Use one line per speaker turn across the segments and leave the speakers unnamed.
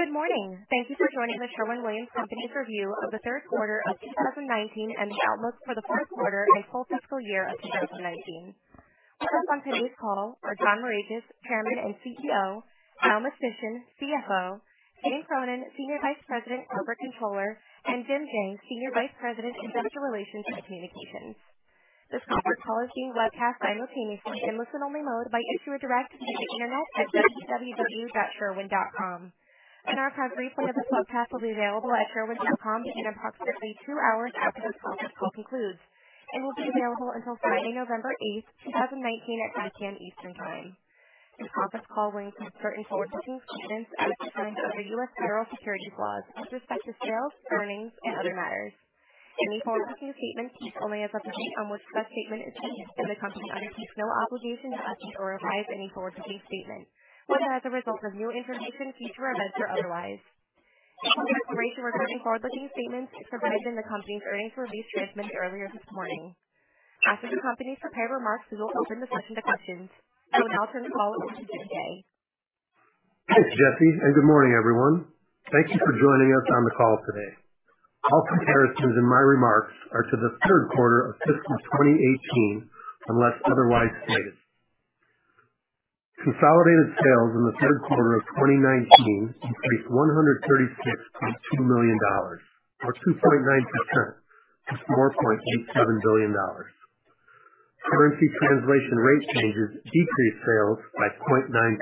Good morning. Thank you for joining The Sherwin-Williams Company's review of the Q3 of 2019 and the outlook for the Q4 and full fiscal year of 2019. Present on today's call are John Morikis, Chairman and CEO, Allen J. Mistysyn, CFO, Jane M. Cronin, Senior Vice President, Corporate Controller, and Jim Jaye, Senior Vice President, Investor Relations and Corporate Communications. This conference call is being webcast simultaneously in listen-only mode by issuing a direct link to the internet at www.sherwin.com. An archived replay of this webcast will be available at sherwin.com in approximately two hours after this conference call concludes, and will be available until Friday, November 8th, 2019, at 5:00 P.M. Eastern Time. This conference call will include certain forward-looking statements as defined under U.S. federal securities laws with respect to Sherwin's earnings and other matters. Any forward-looking statements made only as of the date on which that statement is made, and the company undertakes no obligation to update or revise any forward-looking statement, whether as a result of new information, future events, or otherwise. A description regarding forward-looking statements is provided in the company's earnings release transmitted earlier this morning. After the company's prepared remarks, we will open the floor to questions. I will now turn the call over to Jim Jaye.
Thanks, Jesse. Good morning, everyone. Thank you for joining us on the call today. All comparisons in my remarks are to the Q3 of fiscal 2018, unless otherwise stated. Consolidated sales in the Q3 of 2019 increased by $136.2 million, or 2.9%, to $4.87 billion. Currency translation rate changes decreased sales by 0.9%.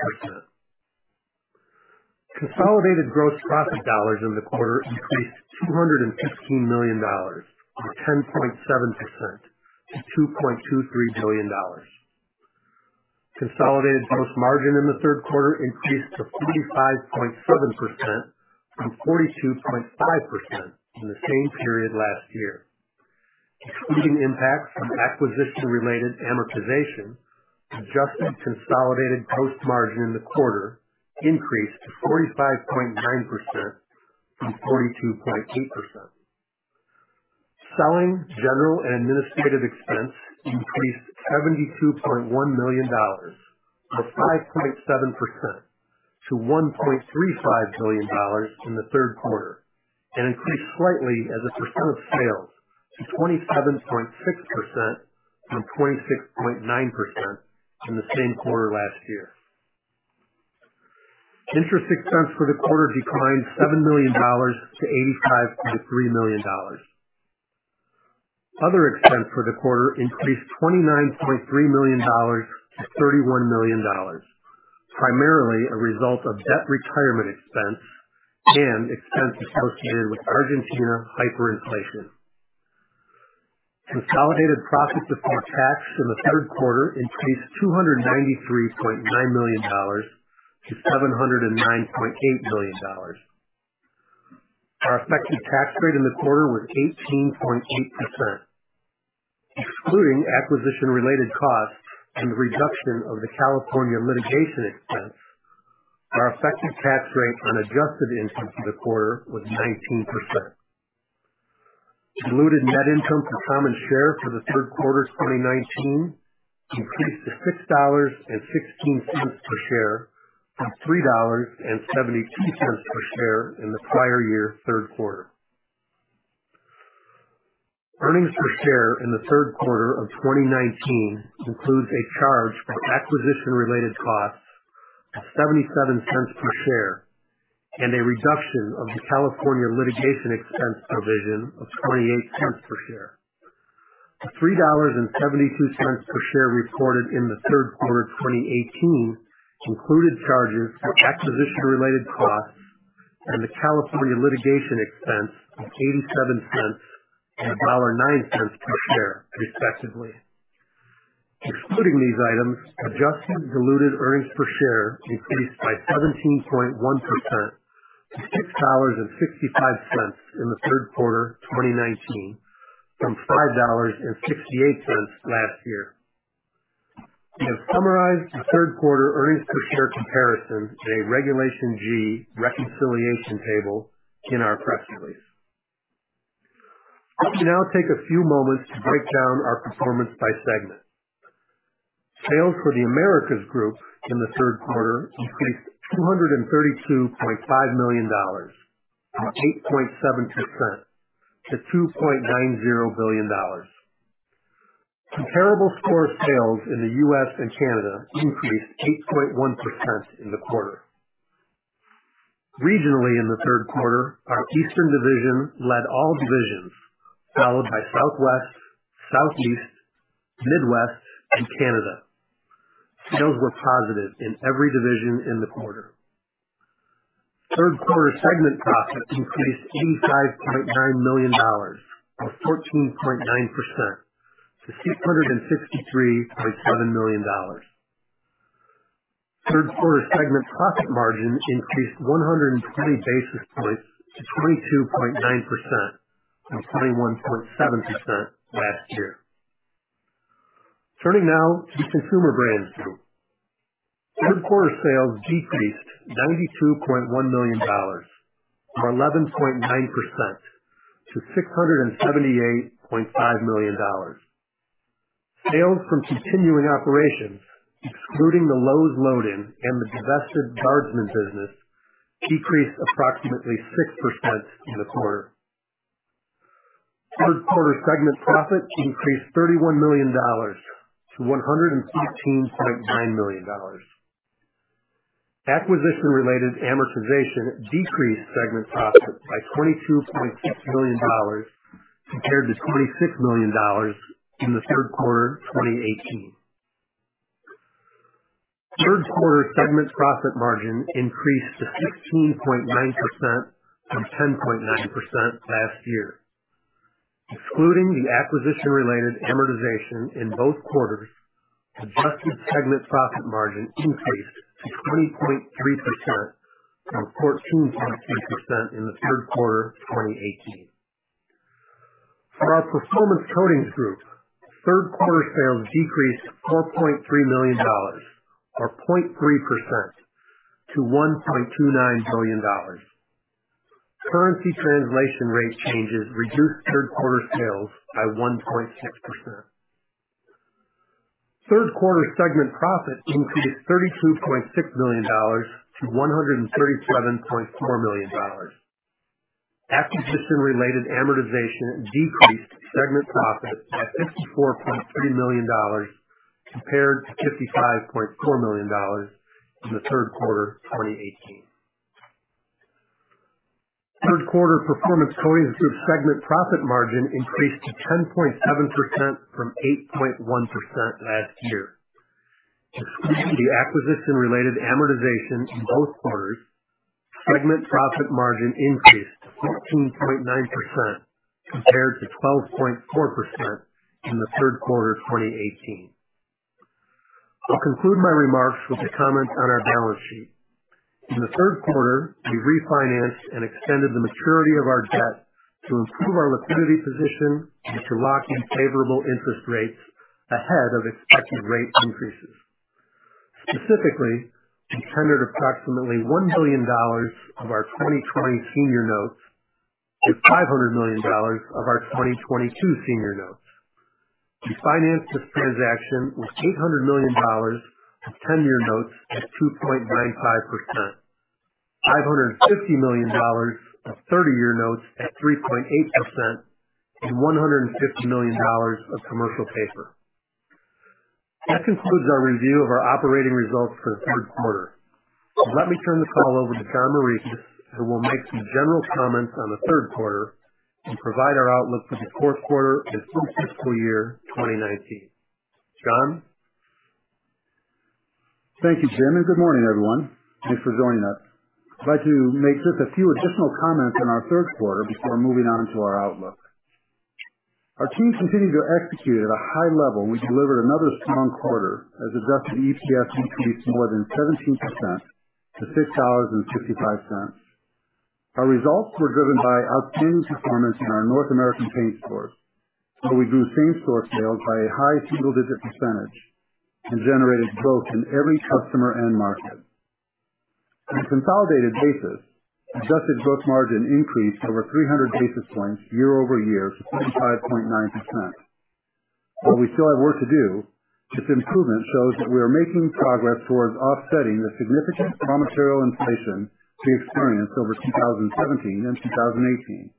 Consolidated gross profit dollars in the quarter increased by $215 million, or 10.7%, to $2.23 billion. Consolidated gross margin in the Q3 increased to 45.7% from 42.5% in the same period last year. Excluding impacts from acquisition-related amortization, adjusted consolidated gross margin in the quarter increased to 45.9% from 42.8%. Selling, General, and Administrative Expense increased by $72.1 million, or 5.7%, to $1.35 billion in the Q3, and increased slightly as a percent of sales to 27.6% from 26.9% in the same quarter last year. Interest expense for the quarter declined $7 million-$85.3 million. Other expense for the quarter increased to $29.3 million- $31 million, primarily a result of debt retirement expense and expense associated with Argentina hyperinflation. Consolidated profit before tax in the Q3 increased to $293.9 million-$709.8 million. Our effective tax rate in the quarter was 18.8%. Excluding acquisition-related costs and the reduction of the California litigation expense, our effective tax rate on adjusted income for the quarter was 19%. Diluted net income per common share for the Q3 2019 increased to $6.16 per share from $3.72 per share in the prior year Q3. Earnings per share in the Q3 of 2019 includes a charge for acquisition-related costs of $0.77 per share, and a reduction of the California litigation expense provision of $0.28 per share. The $3.72 per share reported in the Q3 of 2018 included charges for acquisition-related costs and the California litigation expense of $0.87 and $1.09 per share, respectively. Excluding these items, adjusted diluted earnings per share increased by 17.1% to $6.65 in the Q3 2019 from $5.68 last year. We have summarized the Q3 earnings per share comparison in a Regulation G reconciliation table in our press release. Let me now take a few moments to break down our performance by segment. Sales for The Americas Group in the Q3 increased $232.5 million, or 8.7%, to $2.90 billion. Comparable store sales in the U.S. and Canada increased 8.1% in the quarter. Regionally in the Q3, our Eastern division led all divisions, followed by Southwest, Southeast, Midwest, and Canada. Sales were positive in every division in the quarter. Q3 segment profit increased $85.9 million, or 14.9%, to $663.7 million. Q3 segment profit margin increased 120 basis points to 22.9% from 21.7% last year. Turning now to the Consumer Brands Group. Q3 sales decreased $92.1 million, or 11.9%, to $678.5 million. Sales from continuing operations, excluding the Lowe's load-in and the divested Guardsman business, decreased approximately 6% in the quarter. Q3 segment profit increased $31 million-$115.9 million. Acquisition-related amortization decreased segment profit by $22.6 million compared to $26 million in the Q3 2018. Q3 segment profit margin increased to 16.9% from 10.9% last year. Excluding the acquisition-related amortization in both quarters, adjusted segment profit margin increased to 20.3% from 14.2% in the Q3 2018. For our Performance Coatings Group, Q3 sales decreased $4.3 million, or 0.3%, to $1.29 billion. Currency translation rate changes reduced Q3 sales by 1.6%. Q3 segment profit increased $32.6 million-$137.4 million. Acquisition-related amortization decreased segment profit by $54.3 million compared to $55.4 million in the Q3 2018. Q3 Performance Coatings Group segment profit margin increased to 10.7% from 8.1% last year. Excluding the acquisition-related amortization in both quarters, segment profit margin increased to 14.9% compared to 12.4% in the Q3 2018. I'll conclude my remarks with a comment on our balance sheet. In the Q3, we refinanced and extended the maturity of our debt to improve our liquidity position and to lock in favorable interest rates ahead of expected rate increases. Specifically, we tendered approximately $1 billion of our 2020 senior notes and $500 million of our 2022 senior notes. We financed this transaction with $800 million of 10-year notes at 2.95%, $550 million of 30-year notes at 3.8%, and $150 million of commercial paper. That concludes our review of our operating results for the Q3. Let me turn the call over to John Morikis, who will make some general comments on the Q3 and provide our outlook for the Q4 and full fiscal year 2019. John?
Thank you, Jim. Good morning, everyone. Thanks for joining us. I'd like to make just a few additional comments on our Q3 before moving on to our outlook. Our team continued to execute at a high level. We delivered another strong quarter as adjusted EPS increased more than 17% to $6.65. Our results were driven by outstanding performance in our North American paint stores, where we grew same-store sales by a high single-digit percentage and generated growth in every customer end market. On a consolidated basis, adjusted gross margin increased over 300 basis points year-over-year to 25.9%. While we still have work to do, this improvement shows that we are making progress towards offsetting the significant raw material inflation we experienced over 2017 and 2018.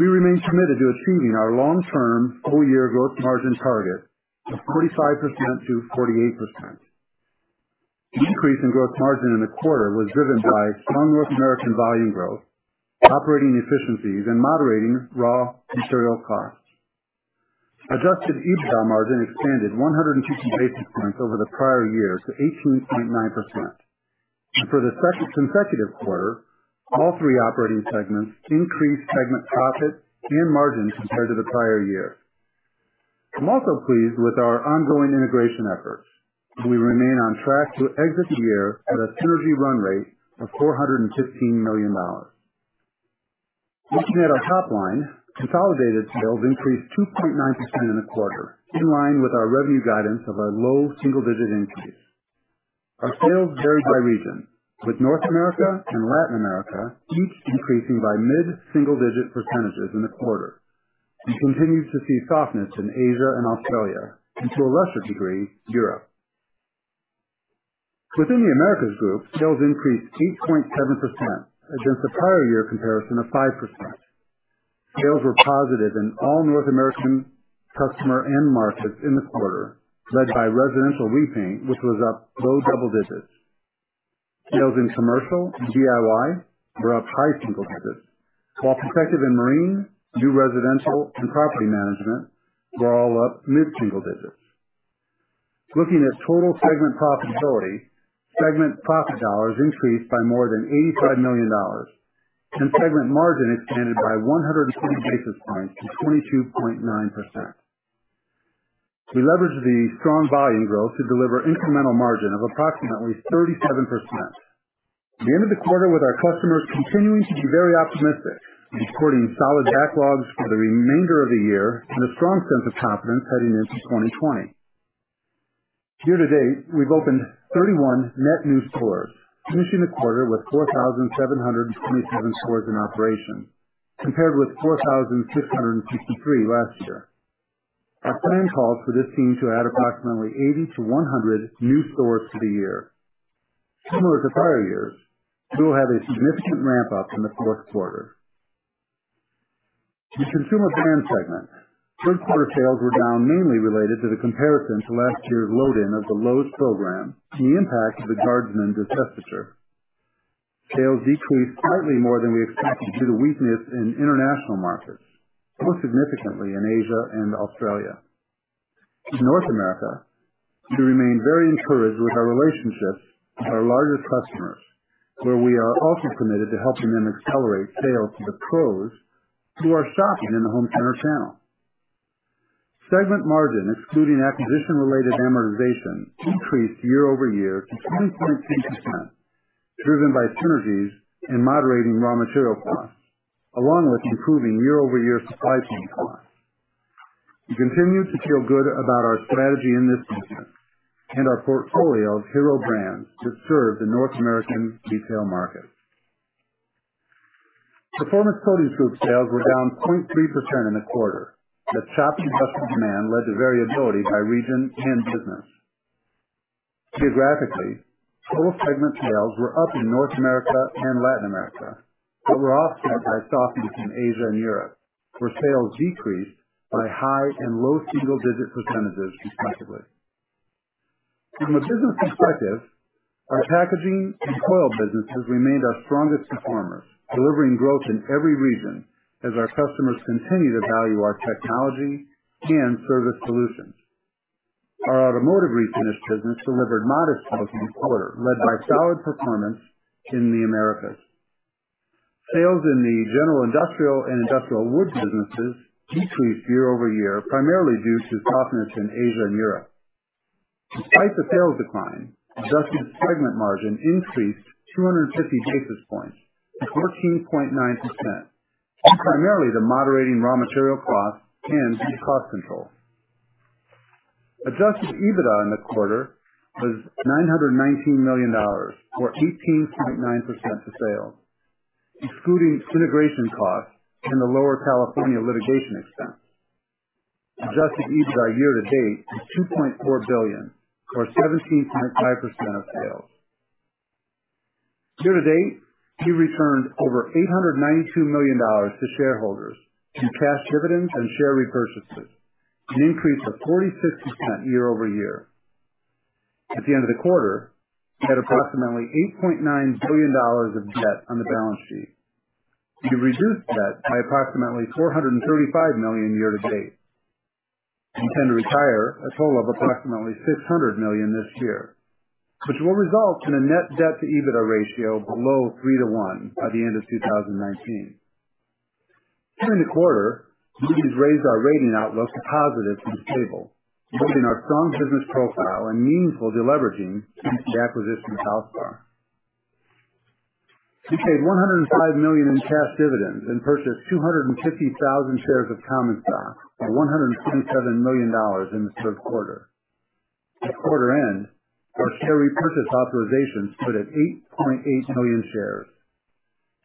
We remain committed to achieving our long-term full-year growth margin target of 45%-48%. The increase in gross margin in the quarter was driven by strong North American volume growth, operating efficiencies, and moderating raw material costs. Adjusted EBITDA margin expanded 115 basis points over the prior year to 18.9%. For the second consecutive quarter, all three operating segments increased segment profit and margin compared to the prior year. I'm also pleased with our ongoing integration efforts. We remain on track to exit the year at a synergy run rate of $415 million. Looking at our top line, consolidated sales increased 2.9% in the quarter, in line with our revenue guidance of a low single-digit increase. Our sales varied by region, with North America and Latin America each increasing by mid-single digit percentages in the quarter. We continued to see softness in Asia and Australia and, to a lesser degree, Europe. Within The Americas Group, sales increased 8.7% against a prior year comparison of 5%. Sales were positive in all North American customer end markets in the quarter, led by residential repaint, which was up low double digits. Sales in commercial and DIY were up high single digits, while protective and marine, new residential, and property management were all up mid-single digits. Looking at total segment profitability, segment profit dollars increased by more than $85 million and segment margin expanded by 120 basis points to 22.9%. We leveraged the strong volume growth to deliver incremental margin of approximately 37%. The end of the quarter with our customers continuing to be very optimistic and reporting solid backlogs for the remainder of the year and a strong sense of confidence heading into 2020. Year to date, we've opened 31 net new stores, finishing the quarter with 4,727 stores in operation, compared with 4,663 last year. Our plan calls for this team to add approximately 80 to 100 new stores for the year. Similar to prior years, we will have a significant ramp up in the Q4. The Consumer Brands segment. Q1 sales were down mainly related to the comparison to last year's load-in of the Lowe's program and the impact of the Guardsman divestiture. Sales decreased slightly more than we expected due to weakness in international markets, most significantly in Asia and Australia. In North America, we remain very encouraged with our relationships with our larger customers, where we are also committed to helping them accelerate sales to the pros who are shopping in the home center channel. Segment margin, excluding acquisition-related amortization, increased year-over-year to 17.2%, driven by synergies and moderating raw material costs, along with improving year-over-year supply chain costs. We continue to feel good about our strategy in this segment and our portfolio of hero brands that serve the North American retail market. Performance Coatings Group sales were down 0.3% in the quarter, but shops and customer demand led to variability by region and business. Geographically, coatings segment sales were up in North America and Latin America but were offset by softness in Asia and Europe, where sales decreased by high and low single-digit percentages respectively. From a business perspective, our packaging and coil business has remained our strongest performer, delivering growth in every region as our customers continue to value our technology and service solutions. Our automotive refinish business delivered modest sales in the quarter, led by solid performance in the Americas. Sales in the general industrial and industrial woods businesses decreased year-over-year, primarily due to softness in Asia and Europe. Despite the sales decline, adjusted segment margin increased 250 basis points to 14.9%, primarily to moderating raw material costs and cost control. Adjusted EBITDA in the quarter was $919 million or 18.9% of sales, excluding integration costs and the lower California litigation expense. Adjusted EBITDA year to date is $2.4 billion or 17.5% of sales. Year to date, we returned over $892 million to shareholders through cash dividends and share repurchases, an increase of 46% year over year. At the end of the quarter, we had approximately $8.9 billion of debt on the balance sheet. We reduced debt by approximately $435 million year to date and intend to retire a total of approximately $600 million this year, which will result in a net debt to EBITDA ratio below 3:1 by the end of 2019. During the quarter, Moody's raised our rating outlook to positive from stable, noting our strong business profile and meaningful deleveraging since the acquisition of Valspar. We paid $105 million in cash dividends and purchased 250,000 shares of common stock at $127 million in the Q3. At quarter end, our share repurchase authorization stood at 8.8 million shares.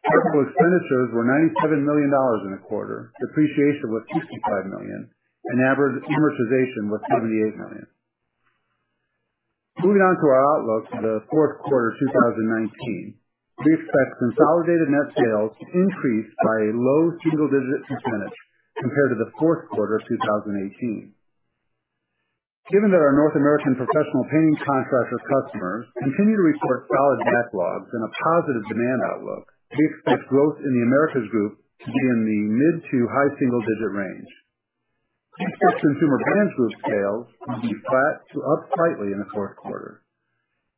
Capital expenditures were $97 million in the quarter. Depreciation was $65 million, and average amortization was $78 million. Moving on to our outlook for the Q4 2019. We expect consolidated net sales to increase by a low single-digit percentage compared to the Q4 of 2018. Given that our North American professional painting contractor customers continue to report solid backlogs and a positive demand outlook, we expect growth in The Americas Group to be in the mid to high single-digit range. We expect Consumer Brands Group sales to be flat to up slightly in the Q4.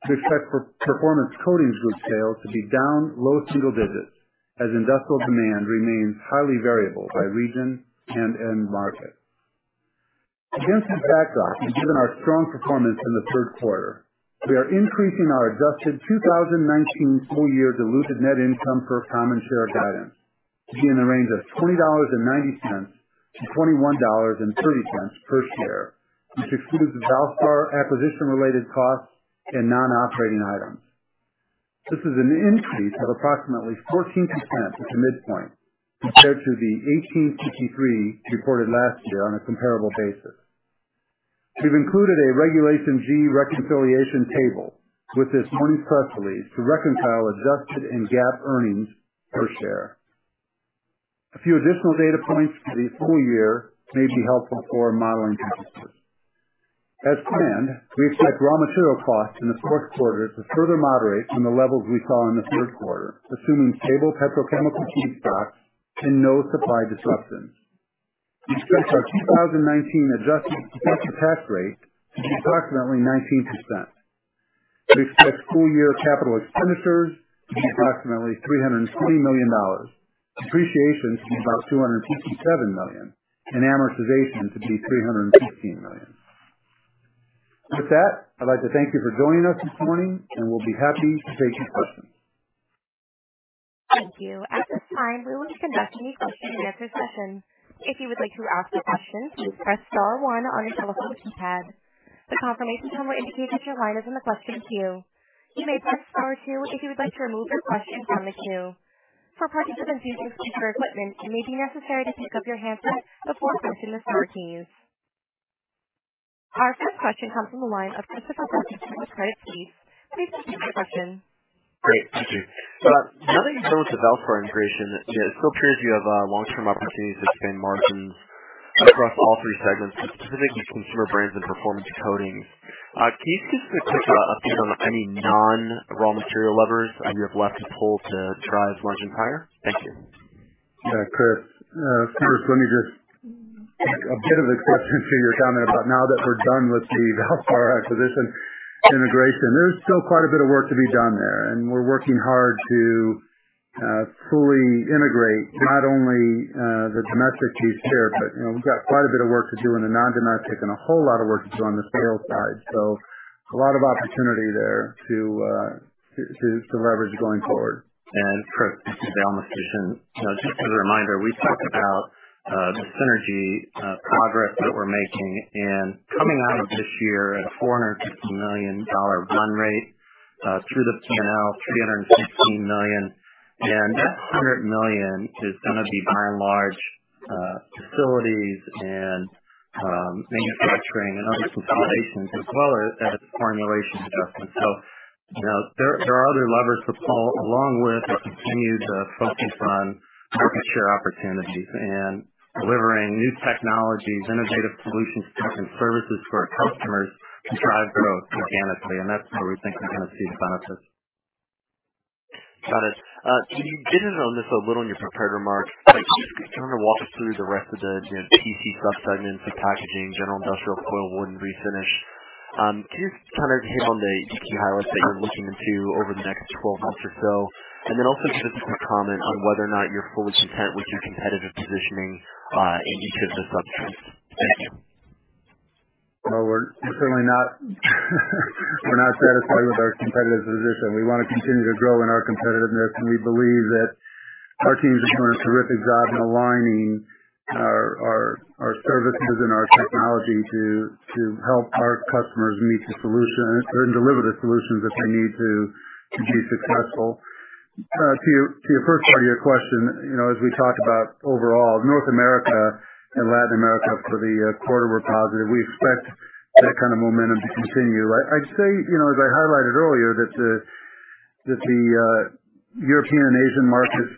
We expect Performance Coatings Group sales to be down low single digits as industrial demand remains highly variable by region and end market. Against this backdrop and given our strong performance in the Q3, we are increasing our adjusted 2019 full year diluted net income per common share guidance to be in the range of $20.90-$21.30 per share, which excludes Valspar acquisition-related costs and non-operating items. This is an increase of approximately 14% at the midpoint compared to the $18.53 reported last year on a comparable basis. We've included a Regulation G reconciliation table with this earnings press release to reconcile adjusted and GAAP EPS. A few additional data points for the full year may be helpful for our modeling purposes. As planned, we expect raw material costs in the Q4 to further moderate from the levels we saw in the Q3, assuming stable petrochemical feedstocks and no supply disruptions. We expect our 2019 adjusted effective tax rate to be approximately 19%. We expect full-year capital expenditures to be approximately $320 million, depreciation to be about $257 million, and amortization to be $315 million. With that, I'd like to thank you for joining us this morning, and we'll be happy to take your questions.
Thank you. At this time, we will conduct a question-and-answer session. If you would like to ask a question, please press star one on your telephone keypad. The confirmation tone will indicate that your line is in the question queue. You may press star two if you would like to remove your question from the queue. For participants using speaker equipment, it may be necessary to pick up your handset before pressing the star keys. Our first question comes from the line of Christopher Parkinson from Credit Suisse. Please proceed with your question.
Great, thank you. Now that you've closed the Valspar integration, it still appears you have long-term opportunities to expand margins across all three segments, specifically Consumer Brands and Performance Coatings. Could you just give a quick update on any non-raw material levers you have left to pull to drive margin higher? Thank you.
Yeah, Chris. First, let me just take a bit of exception to your comment about now that we're done with the Valspar acquisition integration. There's still quite a bit of work to be done there, and we're working hard to fully integrate not only the domestic piece here, but we've got quite a bit of work to do on the non-domestic and a whole lot of work to do on the sales side. A lot of opportunity there to leverage going forward.
Chris, this is Allen Mistysyn. Just as a reminder, we talked about the synergy progress that we're making and coming out of this year at a $450 million run rate through the P&L, $316 million. That $100 million is going to be by and large, facilities and manufacturing and other consolidations as well as that formulation adjustment. There are other levers to pull along with our continued focus on market share opportunities and delivering new technologies, innovative solutions, and services for our customers to drive growth organically. That's where we think you're going to see the benefits.
Got it. You did hit on this a little in your prepared remarks, but just kind of walk us through the rest of the PC sub-segments of packaging, general industrial, coil, wood and refinish. Can you kind of hit on the key highlights that you're looking into over the next 12 months or so? Also give us some comment on whether or not you're fully content with your competitive positioning, in each of the sub-segments. Thank you.
Well, we're certainly not satisfied with our competitive position. We want to continue to grow in our competitiveness, and we believe that our teams are doing a terrific job in aligning our services and our technology to help our customers meet the solution and deliver the solutions that they need to be successful. To your first part of your question, as we talk about overall North America and Latin America for the quarter, we're positive. We expect that kind of momentum to continue. I'd say, as I highlighted earlier, that the European and Asian markets,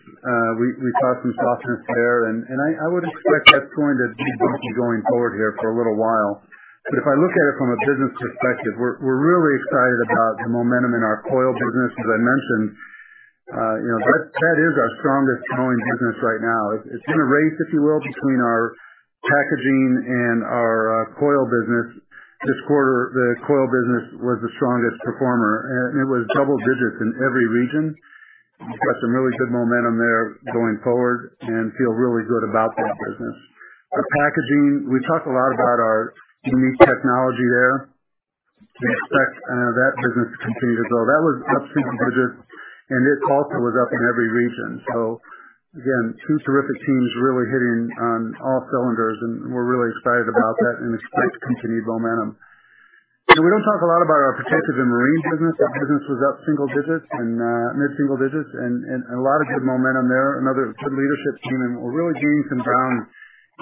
we saw some softness there, and I would expect that trend to be bumpy going forward here for a little while. If I look at it from a business perspective, we're really excited about the momentum in our coil business, as I mentioned. That is our strongest growing business right now. It's been a race, if you will, between our packaging and our coil business. This quarter, the coil business was the strongest performer. It was double digits in every region. We've got some really good momentum there going forward and feel really good about that business. Our packaging, we talk a lot about our unique technology there. We expect that business to continue to grow. That was up single digits, and it also was up in every region. Again, two terrific teams really hitting on all cylinders, and we're really excited about that and expect continued momentum. We don't talk a lot about our protective and marine business. That business was up mid-single digits and a lot of good momentum there. Another good leadership team, and we're really gaining some ground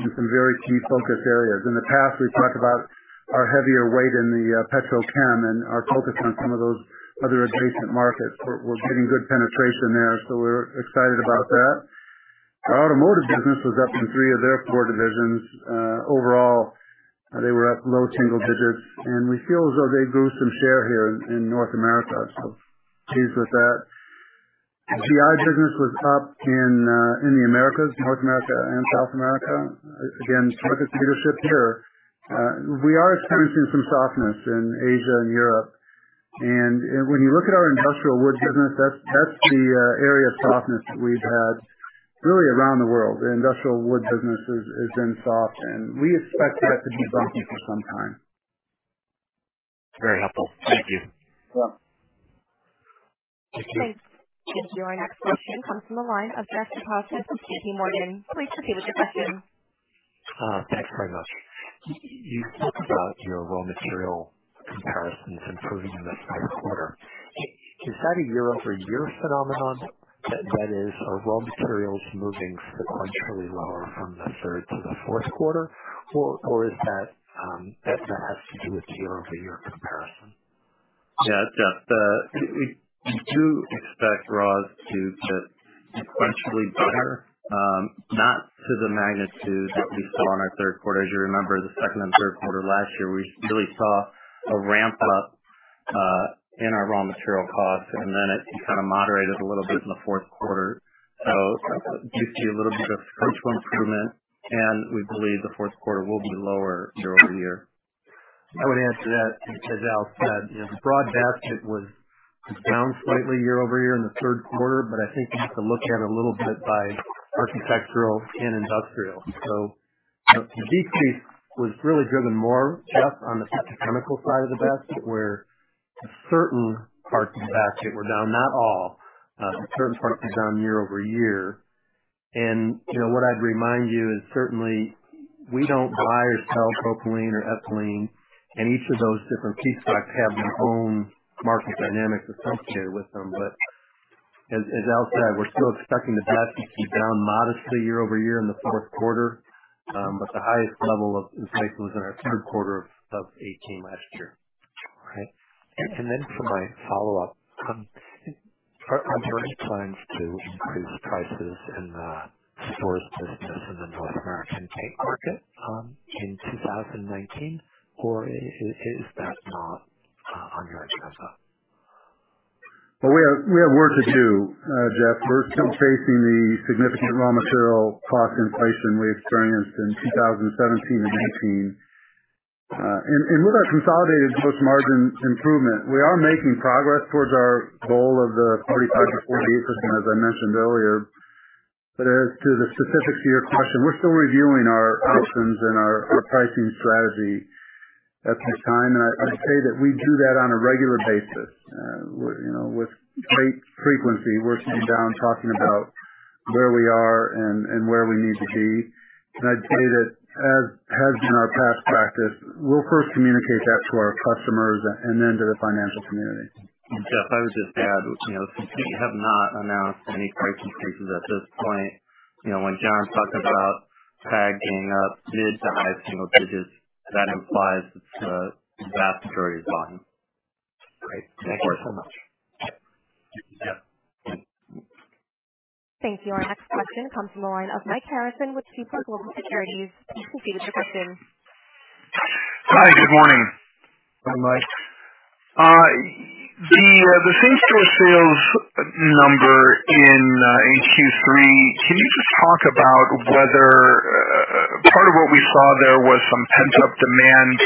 in some very key focus areas. In the past, we've talked about our heavier weight in the petrochem and our focus on some of those other adjacent markets. We're getting good penetration there, so we're excited about that. Our automotive business was up in three of their four divisions. Overall, they were up low single digits, and we feel as though they grew some share here in North America. Pleased with that. The GI business was up in The Americas, North America and South America. Again, market leadership here. We are experiencing some softness in Asia and Europe. When you look at our industrial wood business, that's the area of softness we've had really around the world. The industrial wood business has been soft, and we expect that to be bumpy for some time.
Very helpful. Thank you.
Sure.
Thank you. Our next question comes from the line of Jeff Zekauskas of JPMorgan. Please proceed with your question.
Thanks very much. You talked about your raw material comparisons improving this Q3. Is that a year-over-year phenomenon? That is, are raw materials moving sequentially lower from the third to the Q4? That has to do with year-over-year comparison?
Yeah, Jeff. We do expect raws to get sequentially better, not to the magnitude that we saw in our Q3. As you remember, the second and Q3 last year, we really saw a ramp up in our raw material costs, and then it kind of moderated a little bit in the Q4. You see a little bit of sequential improvement, and we believe the Q4 will be lower year-over-year.
I would add to that, as Al said, is broad basket was. It's down slightly year-over-year in the Q3, but I think you have to look at it a little bit by architectural and industrial. The decrease was really driven more, Jeff, on the petrochemical side of the business, where certain parts of the basket were down, not all. Certain parts were down year-over-year. What I'd remind you is, certainly, we don't buy or sell propylene or ethylene, and each of those different piece products have their own market dynamics associated with them. As Al said, we're still expecting the business to be down modestly year-over-year in the Q4. The highest level of insight was in our Q3 of 2018 last year.
All right. For my follow-up, are you planning to increase prices in the stores business in the North American paint market in 2019? Is that not on your agenda?
Well, we have work to do, Jeff. We're still facing the significant raw material cost inflation we experienced in 2017 and 2018. With our consolidated gross margin improvement, we are making progress towards our goal of the 35%-40% increase, as I mentioned earlier. As to the specifics of your question, we're still reviewing our options and our pricing strategy at this time. I'd say that we do that on a regular basis. With great frequency, we're sitting down talking about where we are and where we need to be. I'd say that, as has been our past practice, we'll first communicate that to our customers and then to the financial community.
Jeff, I would just add, we have not announced any price increases at this point. When John's talking about TAG being up mid to high single digits, that implies the vast majority is volume.
Great. Thank you so much.
You bet.
Thank you. Our next question comes from the line of Mike Harrison with Seaport Global Securities. You can proceed with your question.
Hi, good morning.
Hi, Mike.
The same-store sales number in Q3, can you just talk about whether part of what we saw there was some pent-up demand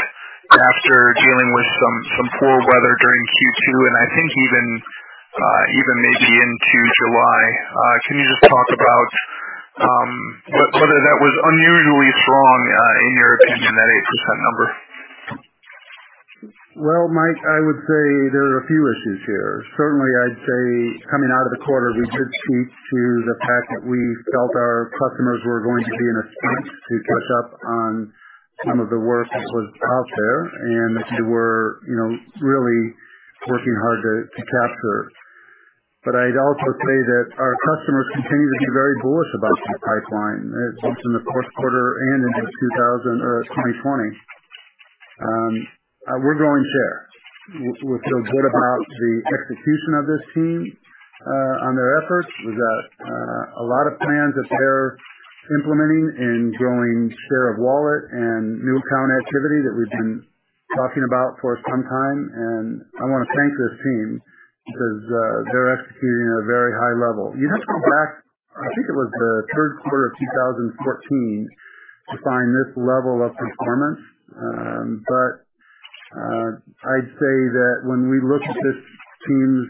after dealing with some poor weather during Q2, and I think even maybe into July? Can you just talk about whether that was unusually strong, in your opinion, that 8% number?
Well, Mike, I would say there are a few issues here. Certainly, I'd say coming out of the quarter, we did speak to the fact that we felt our customers were going to be in a stance to catch up on some of the work that was out there, and we were really working hard to capture. I'd also say that our customers continue to be very bullish about the pipeline, both in the Q4 and into 2020. We're growing share. We feel good about the execution of this team on their efforts. We've got a lot of plans that they're implementing in growing share of wallet and new account activity that we've been talking about for some time. I want to thank this team because they're executing at a very high level. You'd have to go back, I think it was the Q3 of 2014, to find this level of performance. I'd say that when we look at this team's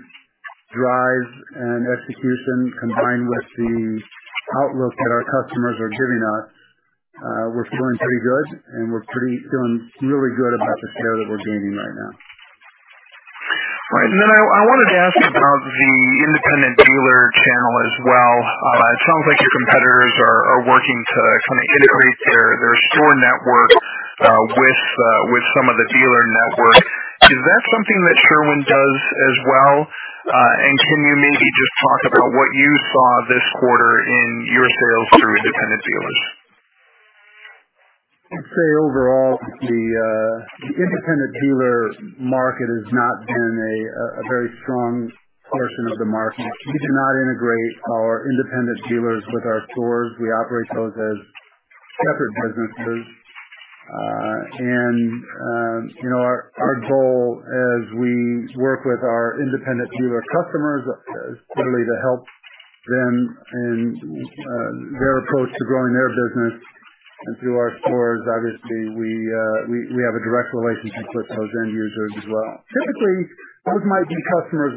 drive and execution combined with the outlook that our customers are giving us, we're feeling pretty good, and we're feeling really good about the share that we're gaining right now.
Right. Then I wanted to ask about the independent dealer channel as well. It sounds like your competitors are working to integrate their store network with some of the dealer network. Is that something that Sherwin-Williams does as well? Can you maybe just talk about what you saw this quarter in your sales through independent dealers?
I'd say overall, the independent dealer market has not been a very strong portion of the market. We do not integrate our independent dealers with our stores. We operate those as separate businesses. Our goal as we work with our independent dealer customers is clearly to help them in their approach to growing their business. Through our stores, obviously, we have a direct relationship with those end users as well. Typically, those might be customers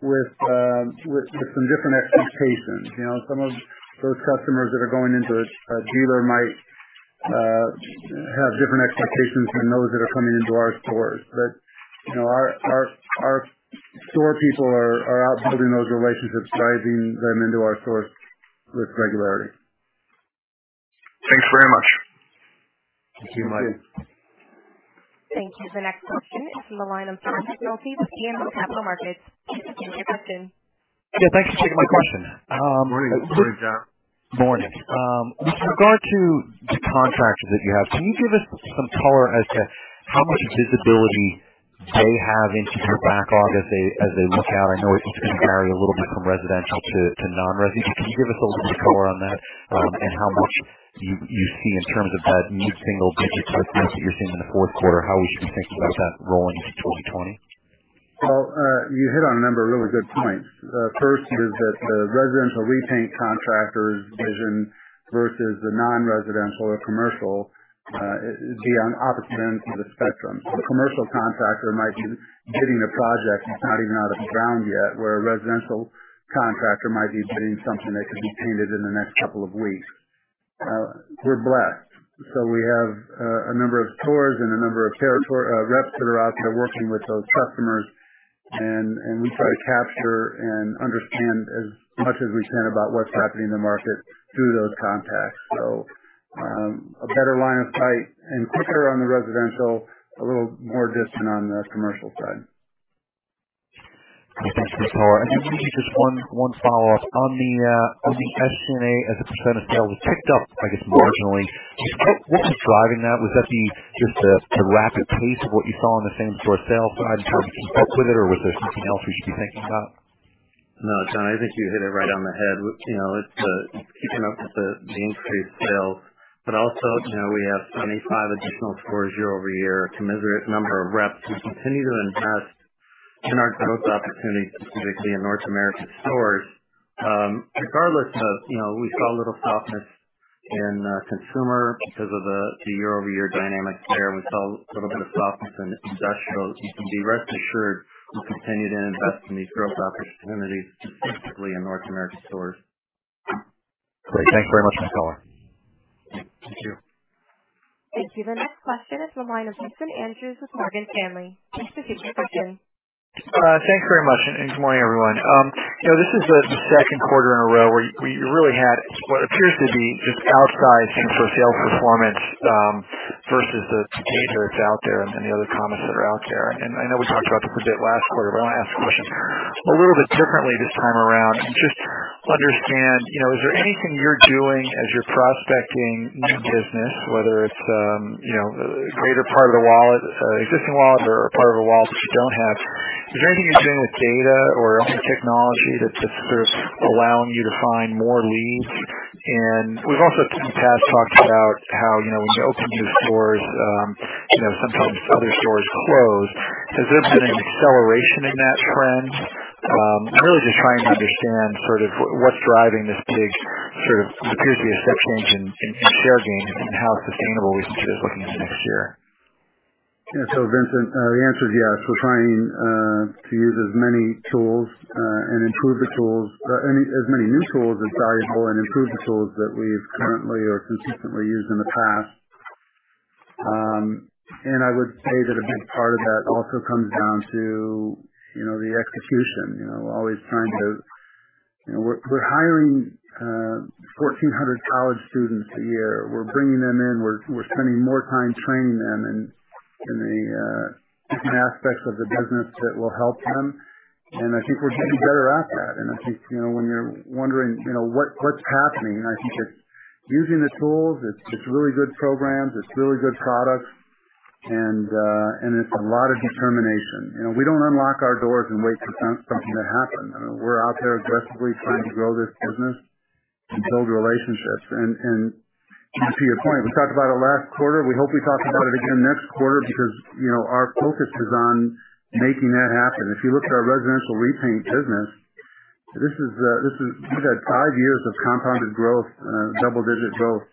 with some different expectations. Some of those customers that are going into a dealer might have different expectations than those that are coming into our stores. Our store people are out building those relationships, driving them into our stores with regularity.
Thanks very much.
Thank you, Mike.
Thank you. The next question is from the line of John McNulty with BMO Capital Markets. You can proceed with your question.
Yeah, thanks for taking my question.
Morning, John.
Morning. With regard to the contractors that you have, can you give us some color as to how much visibility they have into your backlog as they look out? I know it's going to vary a little bit from residential to non-resi. Can you give us a little bit of color on that? How much do you see in terms of that mid-single digit type growth that you're seeing in the Q4? How we should think about that rolling into 2020?
Well, you hit on a number of really good points. First is that the residential repaint contractors division versus the non-residential or commercial is on opposite ends of the spectrum. The commercial contractor might be bidding a project that's not even out of the ground yet, where a residential contractor might be bidding something that could be painted in the next couple of weeks. We're blessed. We have a number of stores and a number of territory reps that are out there working with those customers, and we try to capture and understand as much as we can about what's happening in the market through those contacts. A better line of sight and quicker on the residential, a little more distant on the commercial side.
Thanks for the color. I think maybe just one follow-up. On the SG&A, as a % of sales, it ticked up, I guess, marginally. What was driving that? Was that just the rapid pace of what you saw on the same-store sales side and sort of keeping up with it? Was there something else we should be thinking about?
No, John, I think you hit it right on the head. It's keeping up with the increased sales. Also, we have 25 additional stores year-over-year, a commensurate number of reps. We continue to invest in our growth opportunities, specifically in North American stores. We saw a little softness in consumer because of the year-over-year dynamics there. We saw a little bit of softness in industrial. You can be rest assured we continue to invest in these growth opportunities, specifically in North American stores.
Great. Thank you very much, Mr. Morikis.
Thank you.
Thank you. The next question is the line of Vincent Andrews with Morgan Stanley. Please proceed with your question.
Thanks very much, and good morning, everyone. This is the Q2 in a row where you really had what appears to be this outsized same-store sales performance versus the data that's out there and the other comments that are out there. I know we talked about this a bit last quarter, but I want to ask the question a little bit differently this time around and just understand, is there anything you're doing as you're prospecting new business, whether it's a greater part of the wallet, existing wallet or a part of a wallet that you don't have? Is there anything you're doing with data or other technology that's just sort of allowing you to find more leads? We've also in the past talked about how when you open new stores, sometimes other stores close. Has there been an acceleration in that trend? I'm really just trying to understand sort of what's driving this big, sort of appears to be a step change in share gains and how sustainable we should be looking into next year.
Vincent, the answer is yes. We're trying to use as many tools and improve the tools. As many new tools as valuable, and improve the tools that we've currently or consistently used in the past. I would say that a big part of that also comes down to the execution. We're hiring 1,400 college students a year. We're bringing them in. We're spending more time training them in the different aspects of the business that will help them, and I think we're getting better at that. I think when you're wondering what's happening, I think it's using the tools. It's really good programs. It's really good products. It's a lot of determination. We don't unlock our doors and wait for something to happen. We're out there aggressively trying to grow this business and build relationships. To your point, we talked about it last quarter. We hope we talk about it again next quarter because our focus is on making that happen. If you look at our residential repaint business, we've had five years of compounded growth, double-digit growth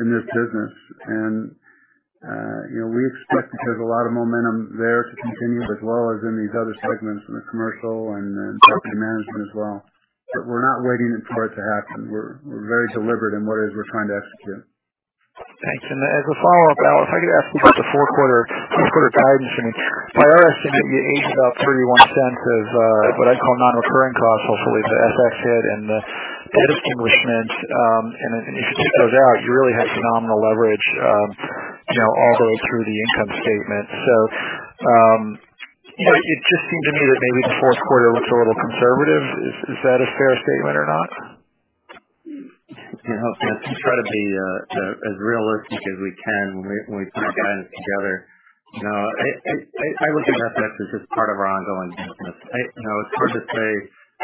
in this business. We expect that there's a lot of momentum there to continue as well as in these other segments in the commercial and property management as well. We're not waiting for it to happen. We're very deliberate in what it is we're trying to execute.
Thanks. As a follow-up, Al, if I could ask you about the Q4 guidance. I mean, by our estimate, you aged about $0.31 of what I'd call non-recurring costs, hopefully the FX hit and the debt extinguishment. If you take those out, you really had phenomenal leverage all the way through the income statement. It just seemed to me that maybe the Q4 looks a little conservative. Is that a fair statement or not?
Vincent, we try to be as realistic as we can when we put our guidance together. I look at FX as just part of our ongoing business. It's hard to say,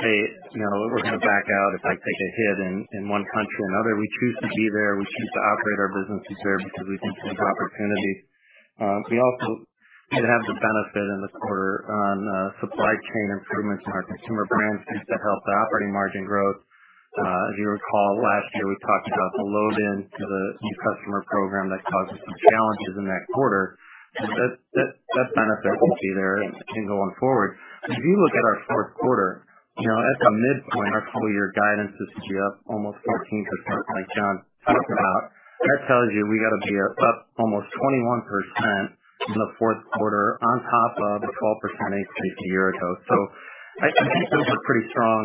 "Hey, we're going to back out if I take a hit in one country or another." We choose to be there. We choose to operate our businesses there because we think there's opportunity. We also did have the benefit in the quarter on supply chain improvements in our Consumer Brands, things that helped the operating margin growth. As you recall, last year, we talked about the load-in to the new customer program that caused some challenges in that quarter. That benefit will be there continuing going forward. If you look at our Q4, at the midpoint, our full-year guidance this year up almost 14%, like John talked about. That tells you we got to be up almost 21% in the Q4 on top of the 12% increase a year ago. I think those are pretty strong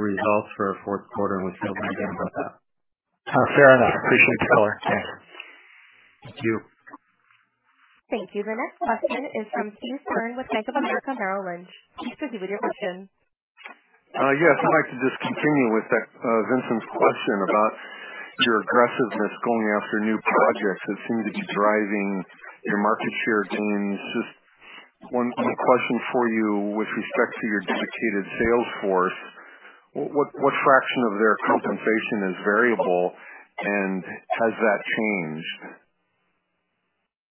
results for a Q4, and we feel pretty good about that.
Fair enough. Appreciate it the color.
Yeah.
Thank you.
Thank you. The next question is from Steve Byrne with Bank of America Merrill Lynch. Please proceed with your question.
Yes. I'd like to just continue with Vincent's question about your aggressiveness going after new projects that seem to be driving your market share gains. Just one question for you with respect to your dedicated sales force. What fraction of their compensation is variable, and has that changed?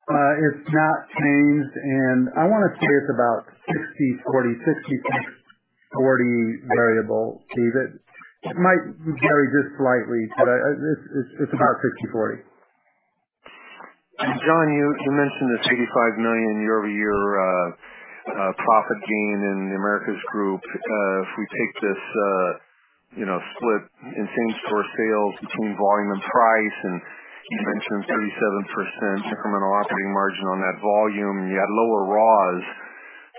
It's not changed. I want to say it's about 60/40, 50/40 variable, Steve. It might vary just slightly, but it's about 50/40.
John, you mentioned this $85 million year-over-year profit gain in The Americas Group. If we take this split in same-store sales between volume and price, and you mentioned 37% incremental operating margin on that volume, and you had lower raws.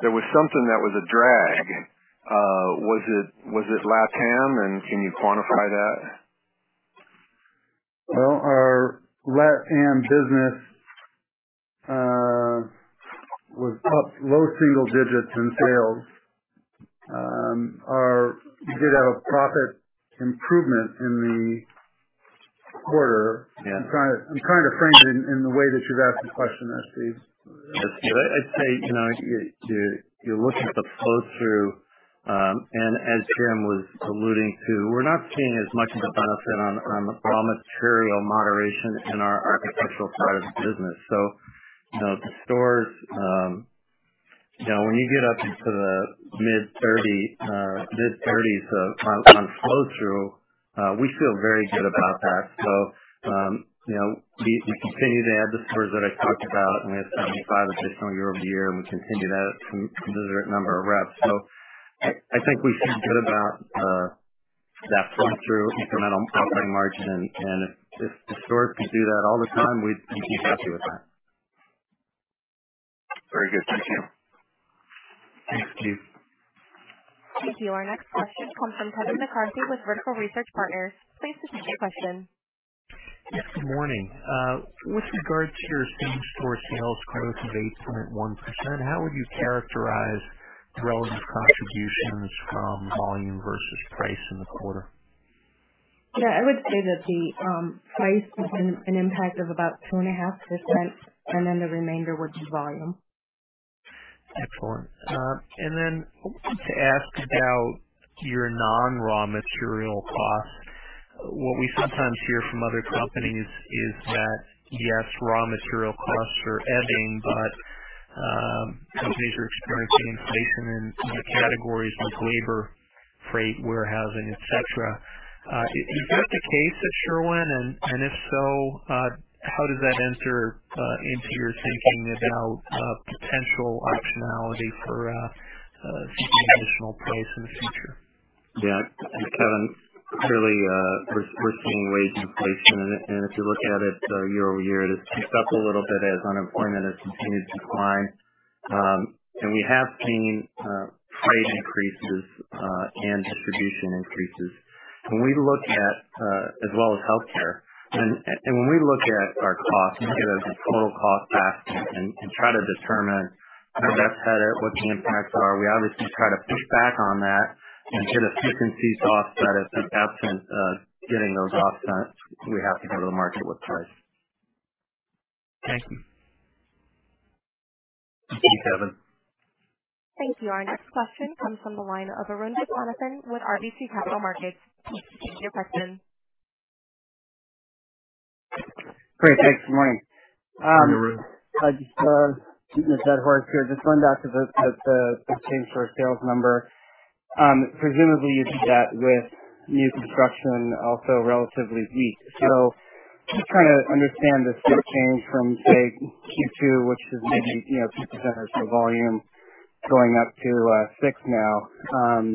There was something that was a drag. Was it LatAm, and can you quantify that?
Well, our LatAm business was up low single digits in sales. We did have a profit improvement in the quarter.
Yeah.
I'm trying to frame it in the way that you've asked the question there, Steve.
That's good. I'd say, you're looking at the flow-through. As Jim was alluding to, we're not seeing as much of a benefit on the raw material moderation in our architectural part of the business. The stores, when you get up into the mid-30s on flow-through, we feel very good about that. We continue to add the stores that I talked about. We have 75 additional year-over-year. We continue to add some deserved number of reps. I think we feel good about that flow-through incremental operating margin. If the stores could do that all the time, we'd be happy with that.
Very good. Thank you.
Thanks, Steve.
Thank you. Our next question comes from Kevin McCarthy with Vertical Research Partners. Please proceed with your question.
Yes, good morning. With regard to your same-store sales growth of 8.1%, how would you characterize the relative contributions from volume versus price in the quarter?
Yeah, I would say that the price had an impact of about 2.5%, and then the remainder was volume.
Excellent. I wanted to ask about your non-raw material costs. What we sometimes hear from other companies is that, yes, raw material costs are ebbing, but companies are experiencing inflation in the categories like labor, freight, warehousing, et cetera. Is that the case at Sherwin-Williams? If so, how does that enter into your thinking about potential optionality for seeking additional price in the future?
Yeah, Kevin, clearly, we're seeing wage inflation. If you look at it year-over-year, it has ticked up a little bit as unemployment has continued to climb. We have seen freight increases and distribution increases as well as healthcare. When we look at our costs, look at a total cost basket and try to determine how best to edit what the impacts are, we obviously try to push back on that and hit efficiency offsets that, absent getting those offsets, we have to go to the market with price.
Thank you.
Thank you, Kevin.
Thank you. Our next question comes from the line of Arun Viswanathan with RBC Capital Markets. Please proceed with your question.
Great. Thanks. Good morning.
Good morning, Arun.
I'll just beat the dead horse here. Just going back to the same-store sales number. Presumably, you did that with new construction also relatively weak. Just trying to understand the shift change from, say, Q2, which was maybe 2% or so volume going up to 6% now.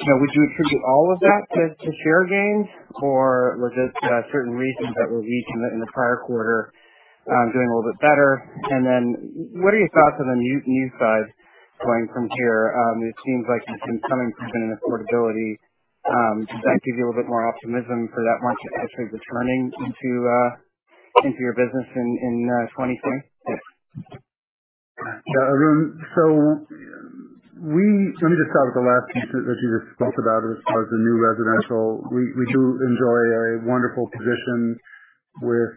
Would you attribute all of that to share gains or were just certain regions that were weak in the prior quarter doing a little bit better? What are your thoughts on the new side going from here? It seems like you've seen some improvement in affordability. Does that give you a little bit more optimism for that margin actually returning into your business in 2023?
Yeah, Arun. Let me just start with the last piece that you just spoke about as far as the new residential. We do enjoy a wonderful position with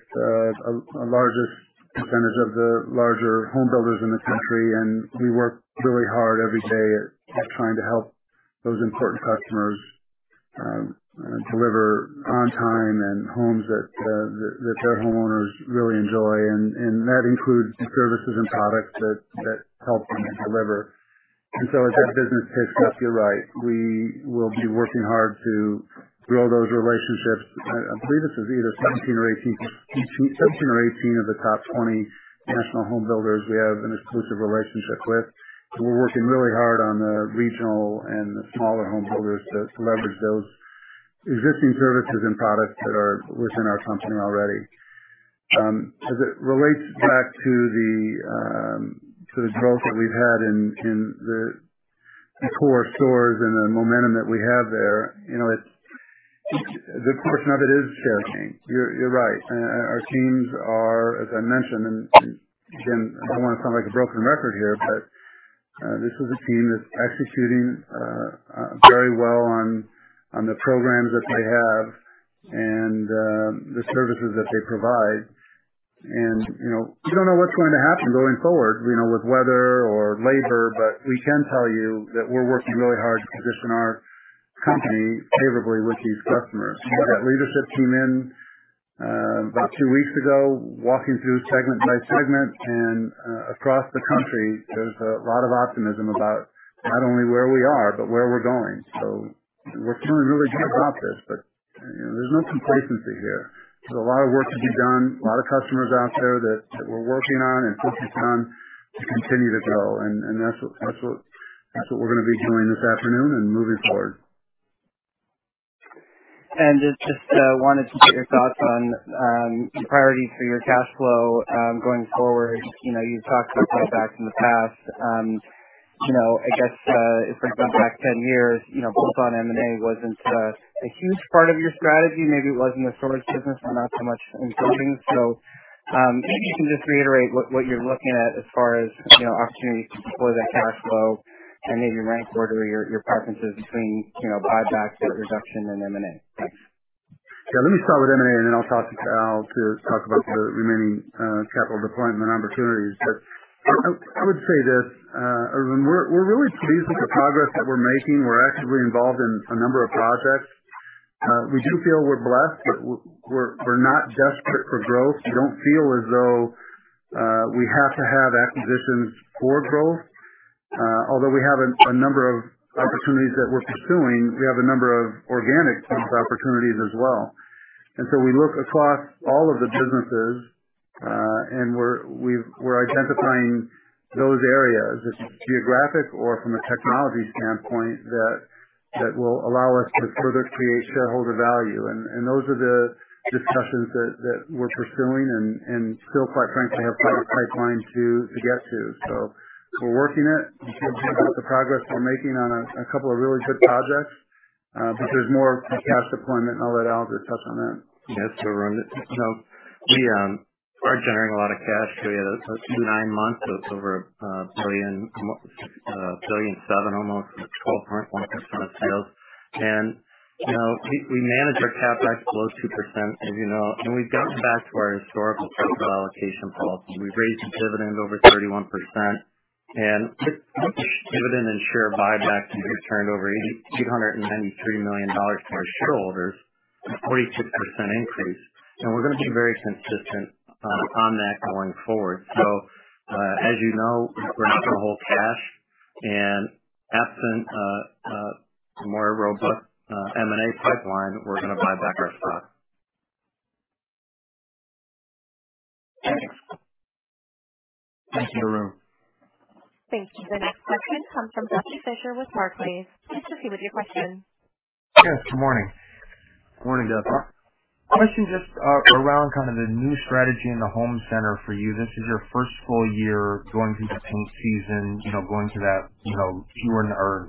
our largest percentage of the larger home builders in the country, and we work really hard every day at trying to help those important customers deliver on time and homes that their homeowners really enjoy. That includes the services and products that help them deliver. As that business picks up, you're right, we will be working hard to grow those relationships. I believe this is either 17 or 18 of the top 20 national home builders we have an exclusive relationship with. We're working really hard on the regional and the smaller home builders to leverage those existing services and products that are within our company already. As it relates back to the growth that we've had in the core stores and the momentum that we have there, a good portion of it is share change. You're right. Our teams are, as I mentioned, again, I don't want to sound like a broken record here, this is a team that's executing very well on the programs that they have and the services that they provide. We don't know what's going to happen going forward with weather or labor, we can tell you that we're working really hard to position our company favorably with these customers. We've got leadership came in about two weeks ago, walking through segment by segment and across the country. There's a lot of optimism about not only where we are, but where we're going. We're feeling really good about this, there's no complacency here. There's a lot of work to be done, a lot of customers out there that we're working on and focusing on to continue to grow. That's what we're going to be doing this afternoon and moving forward.
Just wanted to get your thoughts on the priority for your cash flow going forward. You've talked about buybacks in the past. I guess, if we went back 10 years, bolt-on M&A wasn't a huge part of your strategy. Maybe it was in the storage business, but not so much in building. If you can just reiterate what you're looking at as far as opportunities to deploy that cash flow and maybe your rank order, your preferences between buybacks, debt reduction, and M&A. Thanks.
Yeah, let me start with M&A. Then I'll talk to Al to talk about the remaining capital deployment opportunities. I would say this, Arun, we're really pleased with the progress that we're making. We're actively involved in a number of projects. We do feel we're blessed, but we're not desperate for growth. We don't feel as though we have to have acquisitions for growth. Although we have a number of opportunities that we're pursuing, we have a number of organic growth opportunities as well. We look across all of the businesses, and we're identifying those areas as geographic or from a technology standpoint that will allow us to further create shareholder value. Those are the discussions that we're pursuing and still, quite frankly, have quite a pipeline to get to. We're working it. You'll see the progress we're making on a couple of really good projects. There's more to cash deployment. I'll let Al touch on that.
Yes. Arun, we are generating a lot of cash. Those nine months, it's over a billion seven almost, at 12.1% of sales. We manage our CapEx below 2%, as you know, and we've gotten back to our historical capital allocation policy. We've raised the dividend over 31%, and with dividend and share buybacks, we returned over $893 million to our shareholders, a 42% increase. We're going to be very consistent on that going forward. As you know, we prefer to hold cash and absent a more robust M&A pipeline, we're going to buy back our stock.
Thanks.
Thank you, Arun.
Thank you. The next question comes from Duffy Fischer with Barclays. Please proceed with your question.
Yes, good morning.
Morning, Duffy.
A question just around kind of the new strategy in the home center for you. This is your first full year going through the paint season, going to that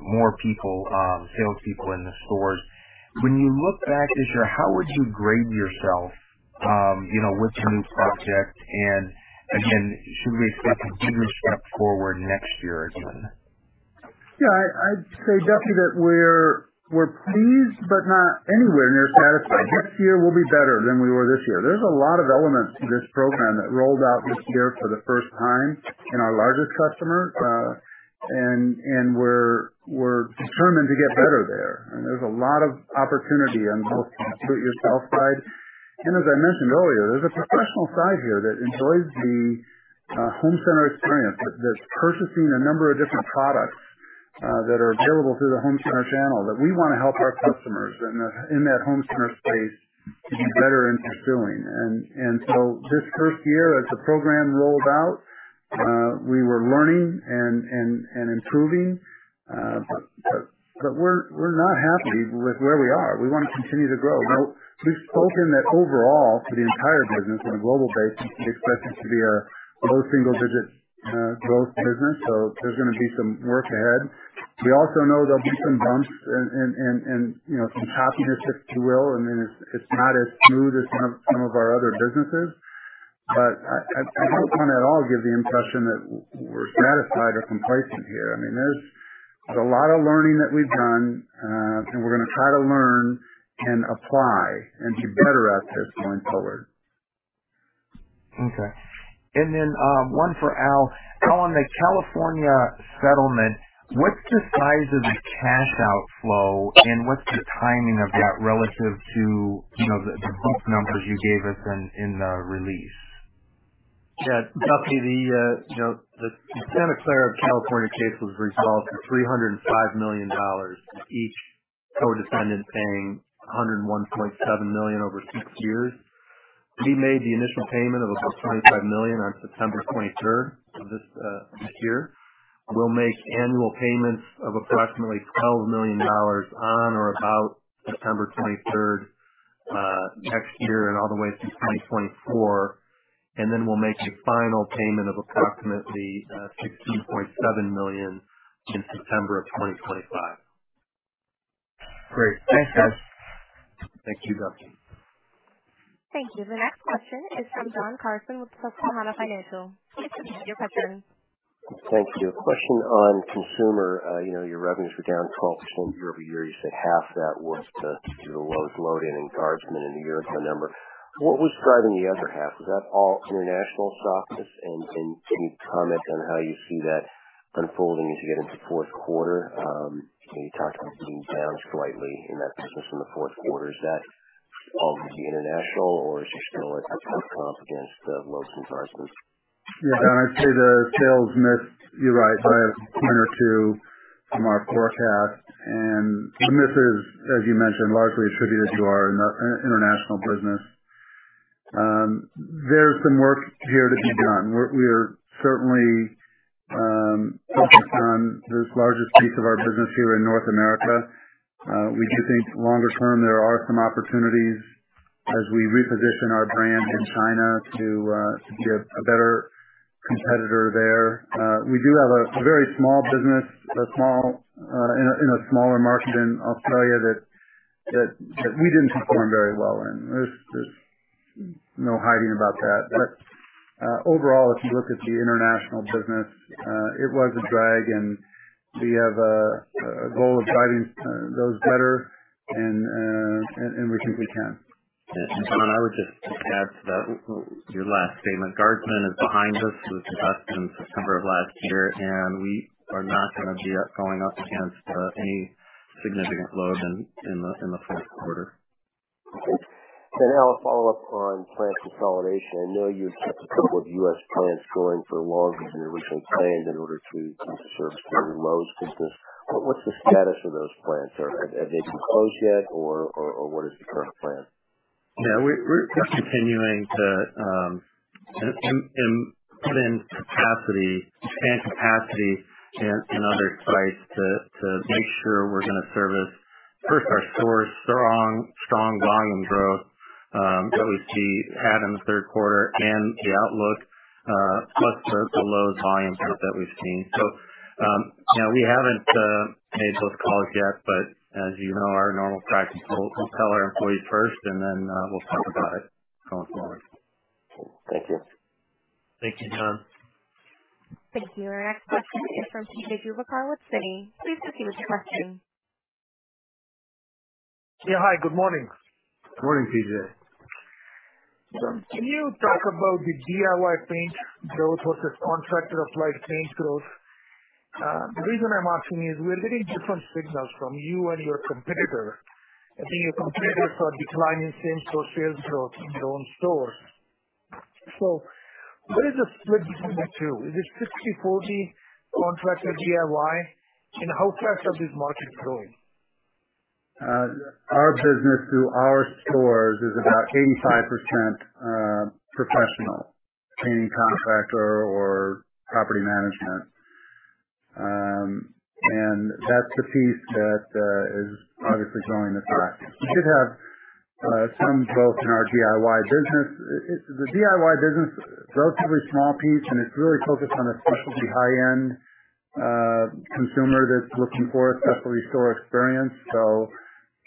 more people, salespeople in the stores. When you look back, how would you grade yourself with the new project? Again, should we expect a bigger step forward next year again?
Yeah, I'd say, Duffy, that we're pleased but not anywhere near satisfied. Next year will be better than we were this year. There's a lot of elements to this program that rolled out this year for the first time in our largest customer, and we're determined to get better there. There's a lot of opportunity on both the do-it-yourself side. As I mentioned earlier, there's a professional side here that enjoys the home center experience, that's purchasing a number of different products that are available through the home center channel that we want to help our customers in that home center space to be better in pursuing. This first year as the program rolled out, we were learning and improving. We're not happy with where we are. We want to continue to grow. We've spoken that overall for the entire business on a global basis, we expect it to be a low single-digit growth business, so there's going to be some work ahead. We also know there'll be some bumps and some choppiness, if you will. I mean, it's not as smooth as some of our other businesses. I don't want to at all give the impression that we're satisfied or complacent here. I mean, there's a lot of learning that we've done, and we're going to try to learn and apply and to better us here going forward.
Okay. One for Al. Al, on the California settlement, what's the size of the cash outflow and what's the timing of that relative to the book numbers you gave us in the release?
Yeah. Duffy, the Santa Clara, California case was resolved for $305 million, with each co-defendant paying $101.7 million over six years. We made the initial payment of approximately $25 million on September 23rd of this year. We'll make annual payments of approximately $12 million on or about September 23rd next year and all the way through 2024. We'll make the final payment of approximately $16.7 million in September of 2025.
Great. Thanks, guys.
Thank you, Duffy.
Thank you. The next question is from Don Carson with Susquehanna Financial. Please proceed with your question.
Thank you. A question on consumer. Your revenues were down 12% year-over-year. You said half that was due to low load-in in Guardsman in the year to November. What was driving the other half? Was that all international softness? Can you comment on how you see that unfolding as you get into Q4. Can you talk about being down slightly in that business in the Q4? Is that all due to international or is it still a tough comp against the Lowe's comparisons?
Yeah, Don, I'd say the sales missed you're right by a point or two from our forecast, and the misses, as you mentioned, largely attributed to our international business. There's some work here to be done. We are certainly focused on this largest piece of our business here in North America. We do think longer term, there are some opportunities as we reposition our brand in China to be a better competitor there. We do have a very small business in a smaller market in Australia that we didn't perform very well in. There's no hiding about that. Overall, if you look at the international business, it was a drag, and we have a goal of driving those better, and we think we can.
Don, I would just add to your last statement. Guardsman is behind us with the customer in September of last year, and we are not going to be going up against any significant Lowe's in the Q4.
Okay. Al, a follow-up on plant consolidation. I know you had kept a couple of U.S. plants going for longer than you originally planned in order to service the Lowe's business. What's the status of those plants? Have they been closed yet, or what is the current plan?
We're continuing to put in capacity and other sites to make sure we're going to service, first, our core strong volume growth that we had in the Q3 and the outlook, plus the Lowe's volume growth that we've seen. We haven't made those calls yet, but as you know, our normal practice, we'll tell our employees first, and then we'll talk about it going forward.
Okay. Thank you.
Thank you, Don.
Thank you. Our next question is from P.J. Juvekar with Citi. Please proceed with your question.
Yeah, hi, good morning.
Morning, P.J.
Can you talk about the DIY paint growth versus contractor of late paint growth? The reason I'm asking is we're getting different signals from you and your competitor. I think your competitors are declining same-store sales growth in their own stores. What is the split between the two? Is it 60/40 contractor DIY? How fast are these markets growing?
Our business through our stores is about 85% professional, painting contractor or property management. That's the piece that is obviously growing the fastest. We did have some growth in our DIY business. The DIY business is a relatively small piece, and it's really focused on a specialty high-end consumer that's looking for a specialty store experience.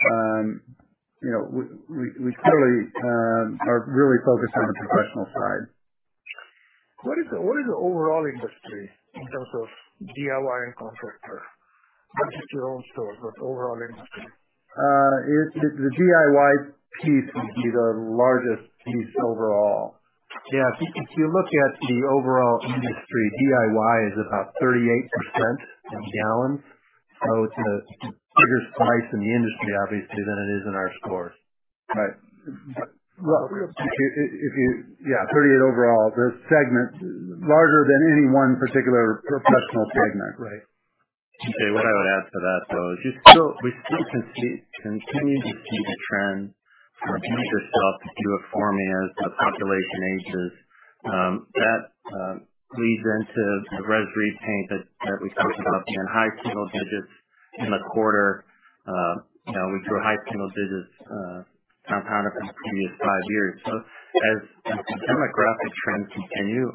We clearly are really focused on the professional side.
What is the overall industry in terms of DIY and contractor, not just your own stores, but overall industry?
The DIY piece would be the largest piece overall.
Yeah. If you look at the overall industry, DIY is about 38% in gallons. It's a bigger slice in the industry, obviously, than it is in our stores.
Right. Yeah, 38 overall. The segment is larger than any one particular professional segment. Right.
PJ, what I would add to that, though, is we still continue to see the trend from demographics to a formula of population ages. That bleeds into the residential repaint that we talked about being high single digits in the quarter. We grew high single digits compounded for the previous five years. As the demographic trends continue,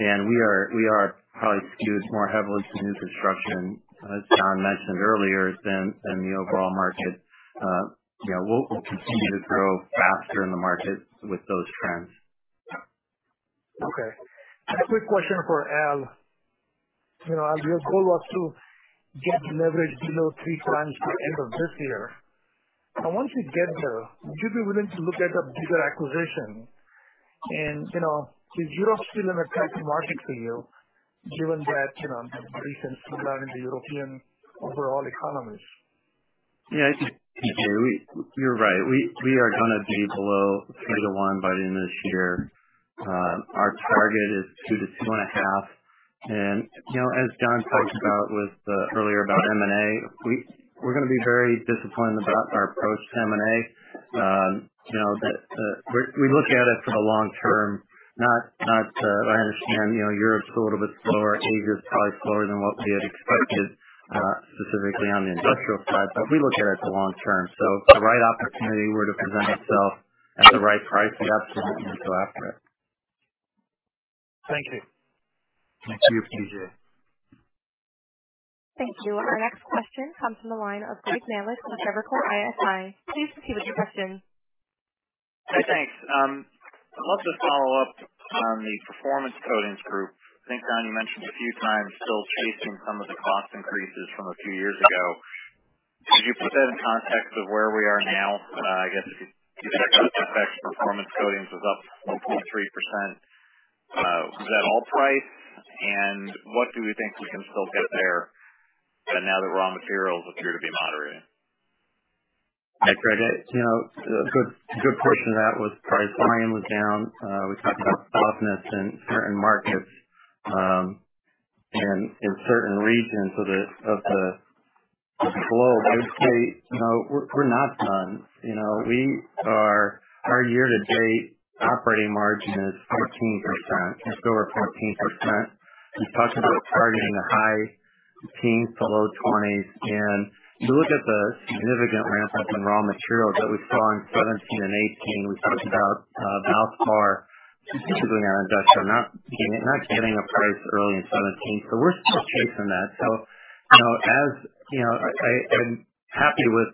and we are probably skewed more heavily to new construction, as John mentioned earlier, than the overall market. We'll continue to grow faster in the market with those trends.
Okay. A quick question for Al. Al, your goal was to get the leverage below three times by the end of this year. Once you get there, would you be willing to look at a bigger acquisition? Is Europe still an attractive market for you given that recent slowdown in the European overall economies?
Yeah. I think, P.J., you're right. We are going to be below three to one by the end of this year. Our target is two to 2.5. As John talked about earlier about M&A, we're going to be very disciplined about our approach to M&A. We look at it for the long term. I understand Europe's a little bit slower, Asia is probably slower than what we had expected, specifically on the industrial side, but we look at it for the long term. If the right opportunity were to present itself at the right price, we absolutely would go after it.
Thank you.
Thank you, P.J.
Thank you. Our next question comes from the line of Greg Melich with Evercore ISI. Please proceed with your question.
Hey, thanks. I'd love to follow up on the Performance Coatings Group. I think, John, you mentioned a few times still chasing some of the cost increases from a few years ago. Could you put that in context of where we are now? I guess if you back out the effect, Performance Coatings is up 1.3%. Is that all price? What do we think we can still get there, now that raw materials appear to be moderating?
Hi, Greg. A good portion of that was price. Volume was down. We talked about softness in certain markets and in certain regions of the globe. I would say, we're not done. Our year-to-date operating margin is 14%, just over 14%. We've talked about targeting the high teens to low 20s. You look at the significant ramp up in raw materials that we saw in 2017 and 2018. We talked about Valspar, particularly on industrial, not getting a price early in 2017. We're still chasing that. I'm happy with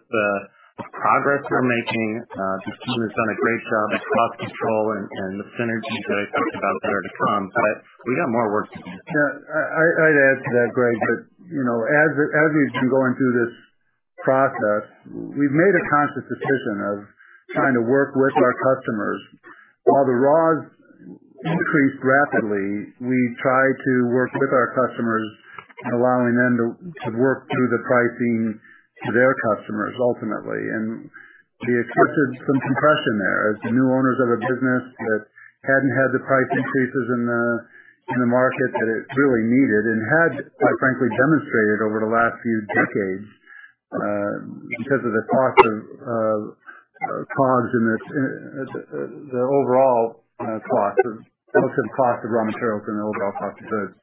the progress we're making. The team has done a great job at cost control and the synergies that I talked about are to come. We got more work to do.
Yeah. I'd add to that, Greg, that as we've been going through this process, we've made a conscious decision of trying to work with our customers. While the raws increased rapidly, we tried to work with our customers in allowing them to work through the pricing to their customers, ultimately. We experienced some compression there as the new owners of a business that hadn't had the price increases in the market that it really needed and had, quite frankly, demonstrated over the last few decades, because of the cost of COGS and the overall cost of raw materials and the overall cost of goods.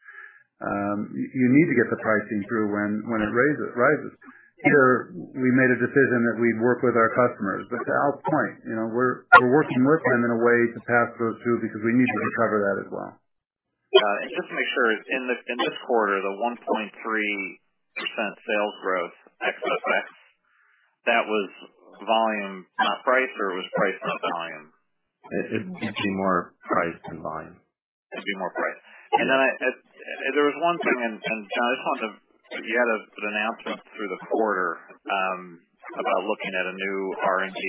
You need to get the pricing through when it rises. Here, we made a decision that we'd work with our customers. To Al's point, we're working with them in a way to pass those through because we need to recover that as well.
Just to make sure, in this quarter, the 1.3% sales growth ex FX, that was volume, not price, or it was price, not volume?
It'd be more price than volume.
It'd be more price. There was one thing, John, I just wanted to, you had an announcement through the quarter, about looking at a new R&D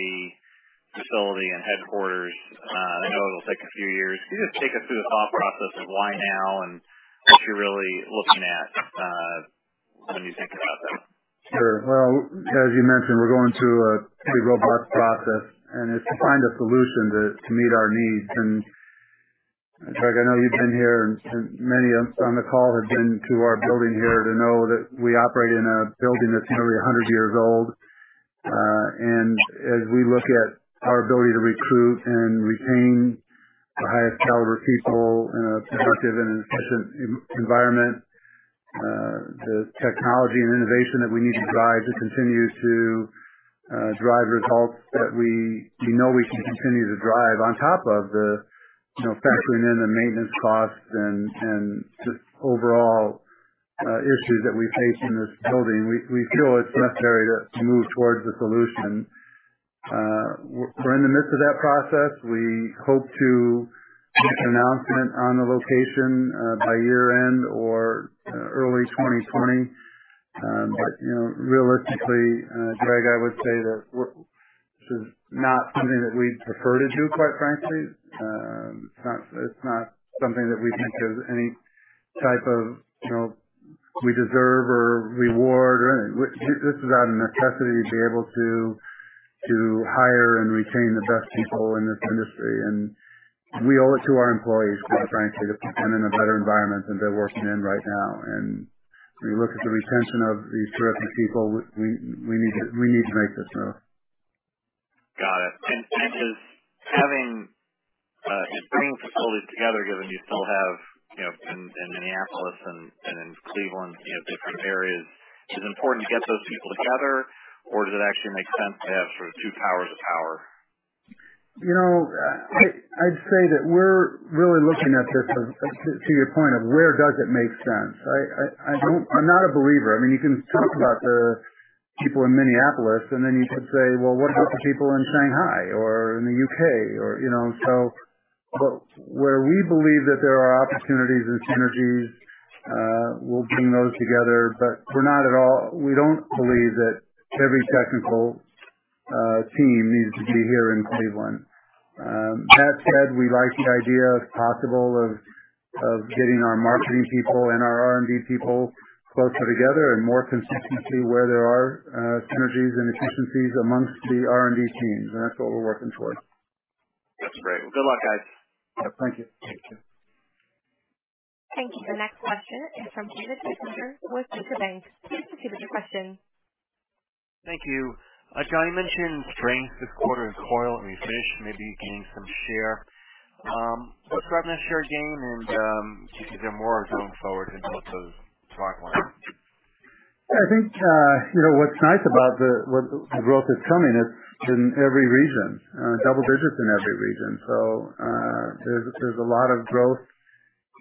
facility and headquarters. I know it'll take a few years. Can you just take us through the thought process of why now and what you're really looking at, when you think about that?
Sure. Well, as you mentioned, we're going through a pretty robust process, and it's to find a solution to meet our needs. Greg, I know you've been here and many on the call have been to our building here to know that we operate in a building that's nearly 100 years old. As we look at our ability to recruit and retain the highest caliber people in a productive and efficient environment, the technology and innovation that we need to drive to continue to drive results that we know we can continue to drive on top of factoring in the maintenance costs and just overall issues that we face in this building. We feel it's necessary to move towards a solution. We're in the midst of that process. We hope to make an announcement on the location by year-end or early 2020. Realistically, Greg, I would say that this is not something that we prefer to do, quite frankly. It's not something that we think is any type of we deserve or reward. This is out of necessity to be able to hire and retain the best people in this industry. We owe it to our employees, quite frankly, to put them in a better environment than they're working in right now. When you look at the retention of these terrific people, we need to make this move.
Got it. Bringing facilities together, given you still have in Minneapolis and in Cleveland, different areas, is it important to get those people together or does it actually make sense to have sort of two towers of power?
I'd say that we're really looking at this, to your point of where does it make sense? I'm not a believer. You can talk about the people in Minneapolis, and then you could say, "Well, what about the people in Shanghai or in the U.K.?" Where we believe that there are opportunities and synergies, we'll bring those together. We don't believe that every technical team needs to be here in Cleveland. That said, we like the idea, if possible, of getting our marketing people and our R&D people closer together and more consistently where there are synergies and efficiencies amongst the R&D teams. That's what we're working towards.
That's great. Well, good luck, guys.
Yeah. Thank you.
Thank you.
Thank you. The next question is from David Begleiter with Deutsche Bank. Please proceed with your question.
Thank you. John, you mentioned strength this quarter in coil and refinish, maybe gaining some share. What's driving that share gain and is there more going forward in both those strong markets?
I think what's nice about the growth that's coming is in every region, double digits in every region. There's a lot of growth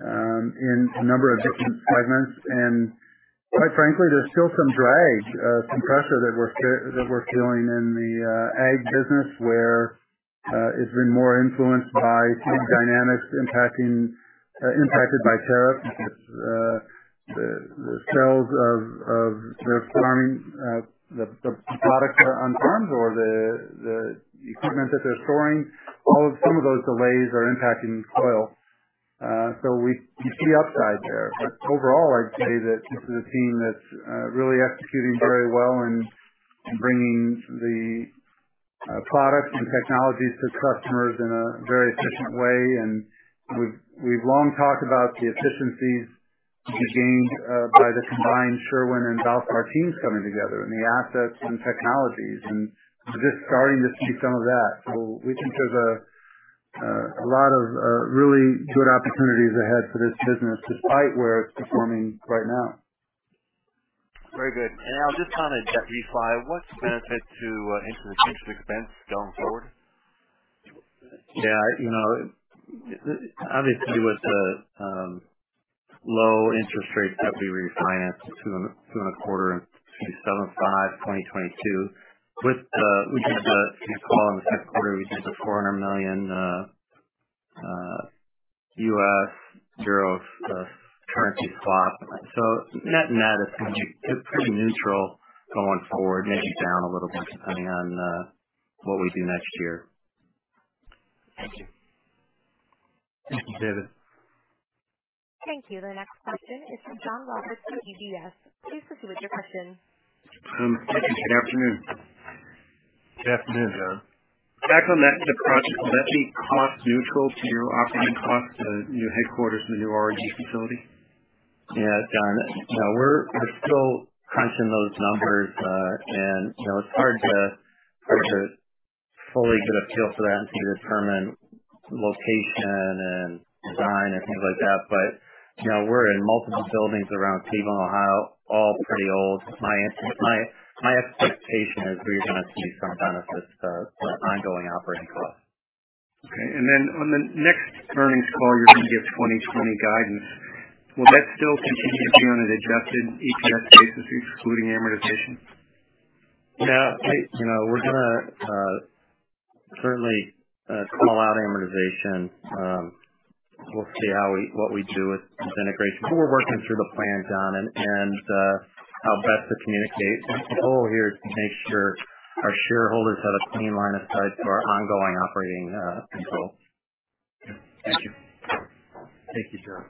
in a number of different segments, and quite frankly, there's still some drag, some pressure that we're feeling in the ag business where it's been more influenced by team dynamics impacted by tariffs. The sales of their farming, the products that are on farms or the equipment that they're storing, some of those delays are impacting Coil. We see upside there. Overall, I'd say that this is a team that's really executing very well and bringing the products and technologies to customers in a very efficient way. We've long talked about the efficiencies to be gained by the combined Sherwin-Williams and Valspar teams coming together and the assets and technologies, and we're just starting to see some of that. We think there's a lot of really good opportunities ahead for this business, despite where it's performing right now.
Very good. I'll just comment that refi, what's the benefit to interest expense going forward?
Yeah. Obviously, it was the low interest rates that we refinanced to in the quarter, 67.5, 2022. On the call in the Q3, we did the $400 million U.S. Euro currency swap. Net, it's pretty neutral going forward, maybe down a little bit, depending on what we do next year.
Thank you.
Thank you, David.
Thank you. The next question is from John Roberts with UBS. Please proceed with your question.
Good afternoon.
Good afternoon, John.
Back on that, the project, will that be cost neutral to your operating costs, the new headquarters and the new R&D facility?
Yeah, John. We're still crunching those numbers. It's hard to fully get a feel for that and to determine location and design and things like that. We're in multiple buildings around Cleveland, Ohio, all pretty old. My expectation is we're going to see some benefits to our ongoing operating costs.
Okay. On the next earnings call, you're going to give 2020 guidance. Will that still continue to be on an adjusted EPS basis excluding amortization?
Yeah. We're going to certainly call out amortization. We'll see what we do with this integration, but we're working through the plan, John, and how best to communicate. The goal here is to make sure our shareholders have a clean line of sight to our ongoing operating controls.
Thank you.
Thank you, John.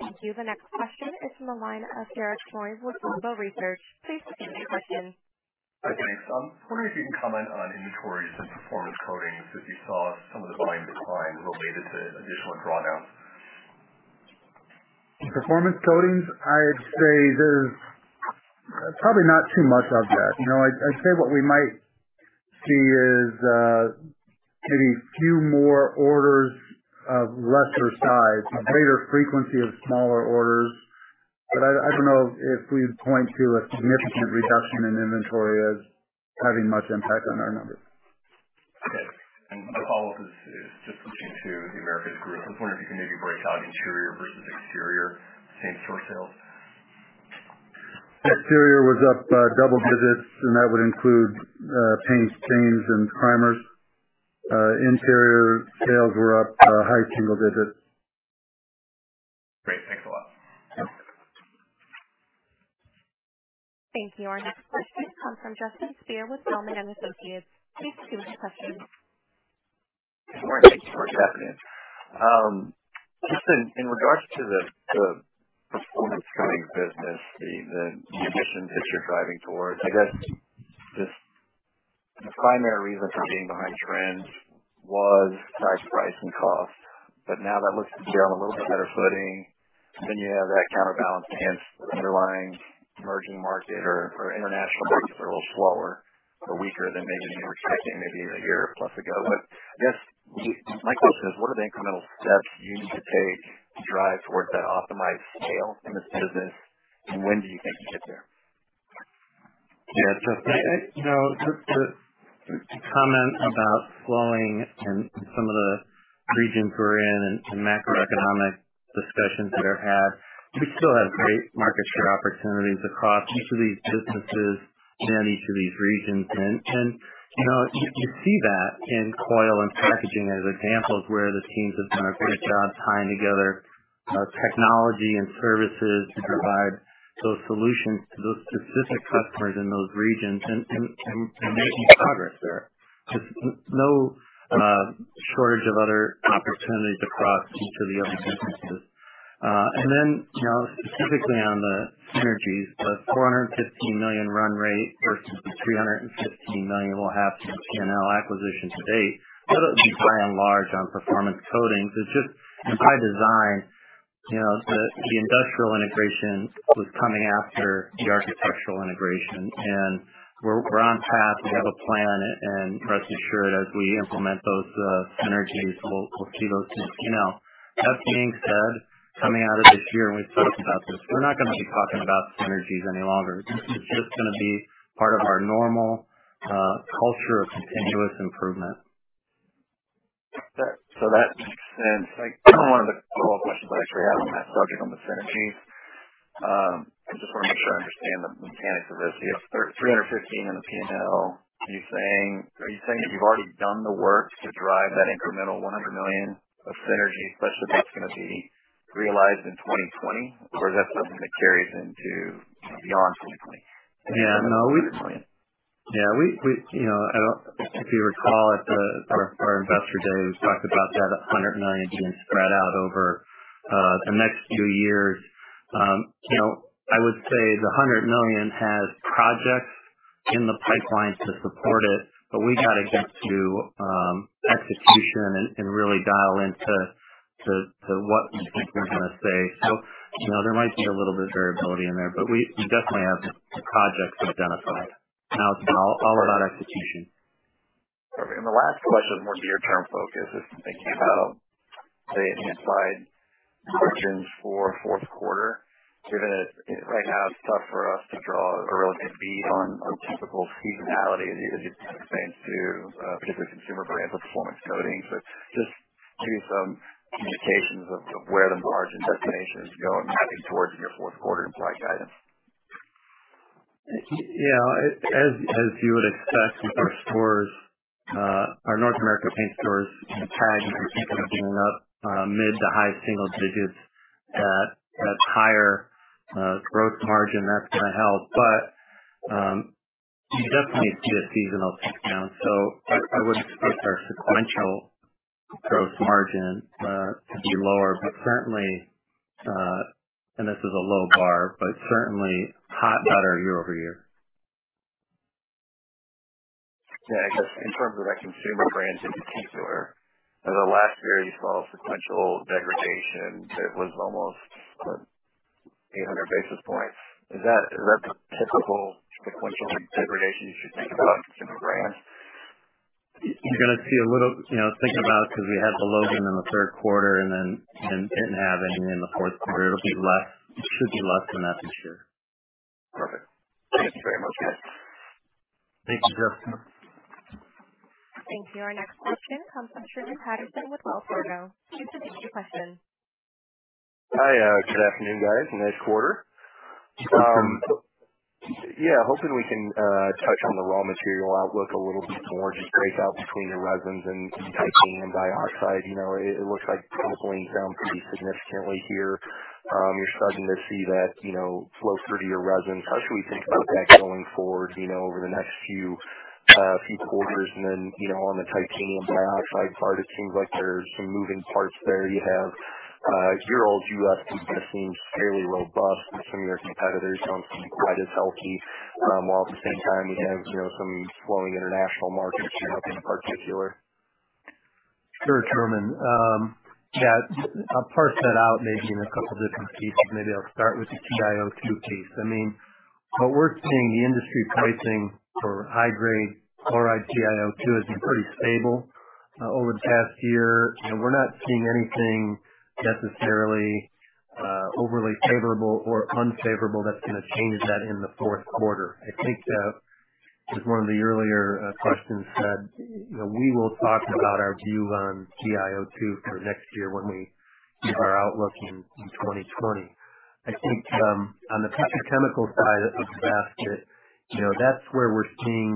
Thank you. The next question is from the line of Jared Woodard with Global Research. Please proceed with your question.
Hi, thanks. I was wondering if you can comment on inventories and Performance Coatings, if you saw some of the volume decline related to additional drawdowns.
Performance Coatings, I'd say there's probably not too much of that. I'd say what we might see is maybe few more orders of lesser size, a greater frequency of smaller orders. I don't know if we'd point to a significant reduction in inventory as having much impact on our numbers.
Okay. My follow-up is just listening to The Americas Group. I was wondering if you can maybe break out interior versus exterior paint store sales.
Exterior was up double digits, and that would include paints, stains, and primers. Interior sales were up high single digits.
Great. Thanks a lot.
Yeah.
Thank you. Our next question comes from Justin Speer with Zelman &Associates. Please proceed with your question.
Good morning. Thanks for having me. Just in regards to the Performance Coatings business, the addition that you're driving towards, I guess the primary reason for being behind trends was tied to price and cost. Now that looks to be on a little bit better footing. You have that counterbalance against the underlying emerging market or international markets are a little slower or weaker than maybe you were expecting maybe a year plus ago. I guess my question is, what are the incremental steps you need to take to drive towards that optimized scale in this business? When do you think you get there?
To comment about slowing in some of the regions we're in and macroeconomic discussions that are had, we still have great market share opportunities across each of these businesses and in each of these regions. You see that in Coil and Packaging as examples where the teams have done a great job tying together technology and services to provide those solutions to those specific customers in those regions and making progress there. There's no shortage of other opportunities across each of the other businesses. Specifically on the synergies, the $415 million run rate versus the $315 million we'll have from the Valspar acquisition to date, that doesn't depend large on performance coatings. It's just by design, the industrial integration was coming after the architectural integration. We're on path. We have a plan, and rest assured, as we implement those synergies, we'll see those. That being said, coming out of this year, and we've talked about this, we're not going to be talking about synergies any longer. It's just going to be part of our normal culture of continuous improvement.
That makes sense. One of the follow-up questions I actually have on that subject, on the synergies. I just want to make sure I understand the mechanics of this. You have $315 in the P&L. Are you saying that you've already done the work to drive that incremental $100 million of synergy such that that's going to be realized in 2020, or is that something that carries into beyond 2020?
If you recall at our investor day, we talked about that $100 million being spread out over the next few years. I would say the $100 million has projects in the pipeline to support it, we've got to get to execution and really dial into what we think we're going to say. There might be a little bit of variability in there, we definitely have the projects identified. Now it's all about execution.
Perfect. The last question is more near term focused. It came out today inside margins for Q4. Given that right now it's tough for us to draw a relevant read on typical seasonality, either just kind of same to particular Consumer Brands or Performance Coatings. Just give some indications of where the margin destination is going heading towards your Q4 implied guidance.
Yeah. As you would expect with our stores, our North America paint stores TAG is going to be up mid to high single digits. That's higher gross margin. That's going to help. You definitely see a seasonal tick down, so I would expect our sequential gross margin to be lower. Certainly, and this is a low bar, but certainly a lot better year-over-year.
I guess in terms of like Consumer Brands in particular, over the last year you saw a sequential degradation that was almost 800 basis points. Is that the typical sequential degradation you should think about in Consumer Brands?
You're going to see a little Think about it, because we had the load-in in the Q3 and then didn't have any in the Q4. It should be less than that for sure.
Perfect. Thank you very much, guys.
Thank you, Jeff.
Thank you. Our next question comes from Truman Patterson with Wells Fargo. Please proceed with your question.
Hi. Good afternoon, guys. Nice quarter.
Thank you.
Yeah, hoping we can touch on the raw material outlook a little bit more. Just scrape out between your resins and titanium dioxide. It looks like propylene's down pretty significantly here. You're starting to see that flow through to your resins. How should we think about that going forward over the next few quarters? On the titanium dioxide part, it seems like there's some moving parts there. You have year-old U.S. capacity that seems fairly robust, but some of your competitors don't seem quite as healthy. At the same time you have some slowing international markets, China in particular.
Sure, Truman. Yeah. I'll parse that out maybe in a couple different pieces. Maybe I'll start with the TiO2 piece. What we're seeing the industry pricing for high-grade chloride TiO2 has been pretty stable over the past year. We're not seeing anything necessarily overly favorable or unfavorable that's going to change that in the Q4. I think as one of the earlier questions said, we will talk about our view on TiO2 for next year when we give our outlook in 2020. I think on the petrochemical side of the basket, that's where we're seeing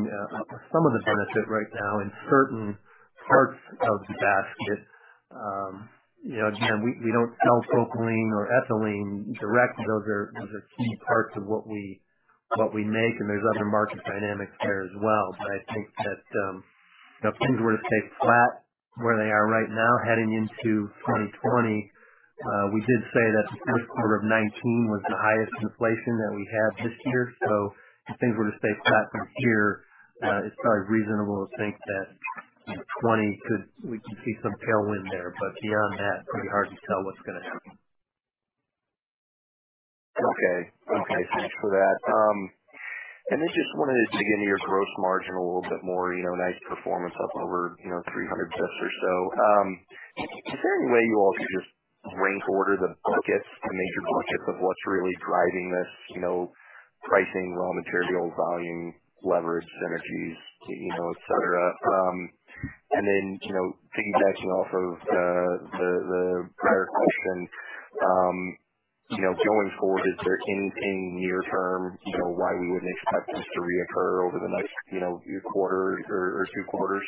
some of the benefit right now in certain parts of the basket. Again, we don't sell propylene or ethylene direct. Those are key parts of what we make, and there's other market dynamics there as well. I think that if things were to stay flat where they are right now heading into 2020, we did say that the Q4 of 2019 was the highest inflation that we had this year. If things were to stay flat from here, it's probably reasonable to think that 2020 we could see some tailwind there, but beyond that, pretty hard to tell what's going to happen.
Okay. Thanks for that. Just wanted to dig into your gross margin a little bit more. Nice performance up over 300 basis or so. Is there any way you all could just rank order the buckets, the major buckets of what's really driving this? Pricing, raw material, volume, leverage, synergies, et cetera. Piggybacking off of the prior question, going forward, is there anything near term why we wouldn't expect this to reoccur over the next quarter or two quarters?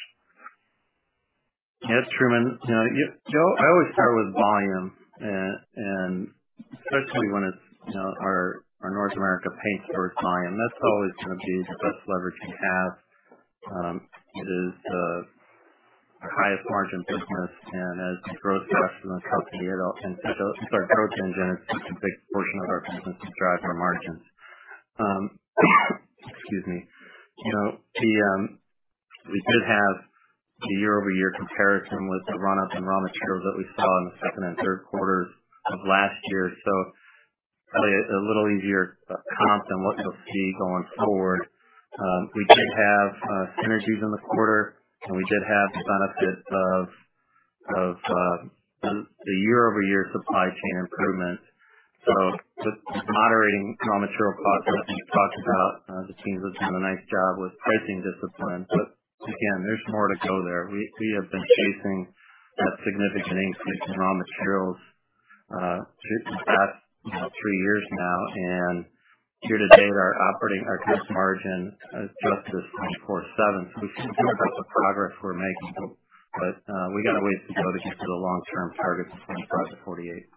Yes, Truman. I always start with volume, and especially when it's our North America paint store volume. That's always going to be the best leverage we have. It is the highest margin business, and as growth engine, a big portion of our business to drive our margins. Excuse me. We did have the year-over-year comparison with the run-up in raw materials that we saw in the second and Q3s of last year. Probably a little easier comp than what you'll see going forward. We did have synergies in the quarter, and we did have the benefit of the year-over-year supply chain improvements. Just moderating raw material costs. I think you talked about the teams have done a nice job with pricing discipline, but again, there's more to go there. We have been chasing that significant increase in raw materials through the past three years now. Year to date, our gross margin is just at 24.7%. We can talk about the progress we're making, we got a ways to go to get to the long-term targets of 25%-48%.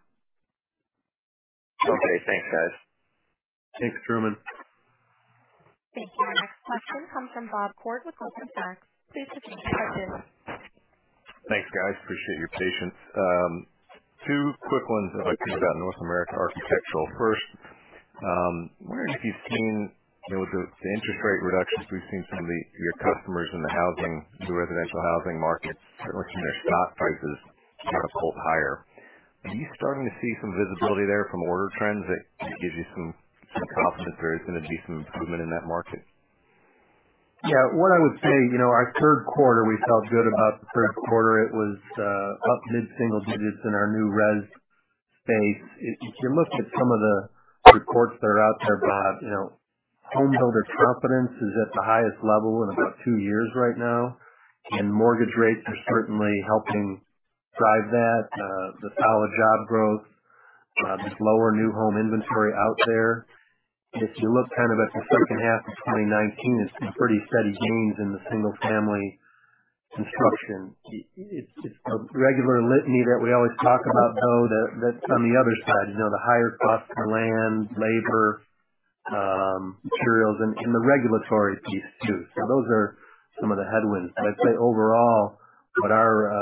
Okay, thanks, guys.
Thanks, Truman.
Thank you. Our next question comes from Bob Koort with Goldman Sachs. Please proceed with your question.
Thanks, guys. Appreciate your patience. Two quick ones I want to ask you about North America architectural. First, I'm wondering if you've seen the interest rate reductions we've seen from your customers in the residential housing market, certainly from their stock prices, kind of pulled higher. Are you starting to see some visibility there from order trends that gives you some confidence there is going to be some improvement in that market?
What I would say, our Q3, we felt good about the Q3. It was up mid-single digits in our new res space. If you look at some of the reports that are out there, Bob, homebuilder confidence is at the highest level in about two years right now, and mortgage rates are certainly helping drive that. The solid job growth, this lower new home inventory out there. If you look at the H2 of 2019, there's some pretty steady gains in the single-family construction. It's a regular litany that we always talk about, though, that's on the other side, the higher cost for land, labor, materials, and the regulatory piece too. Those are some of the headwinds. I'd say overall, what our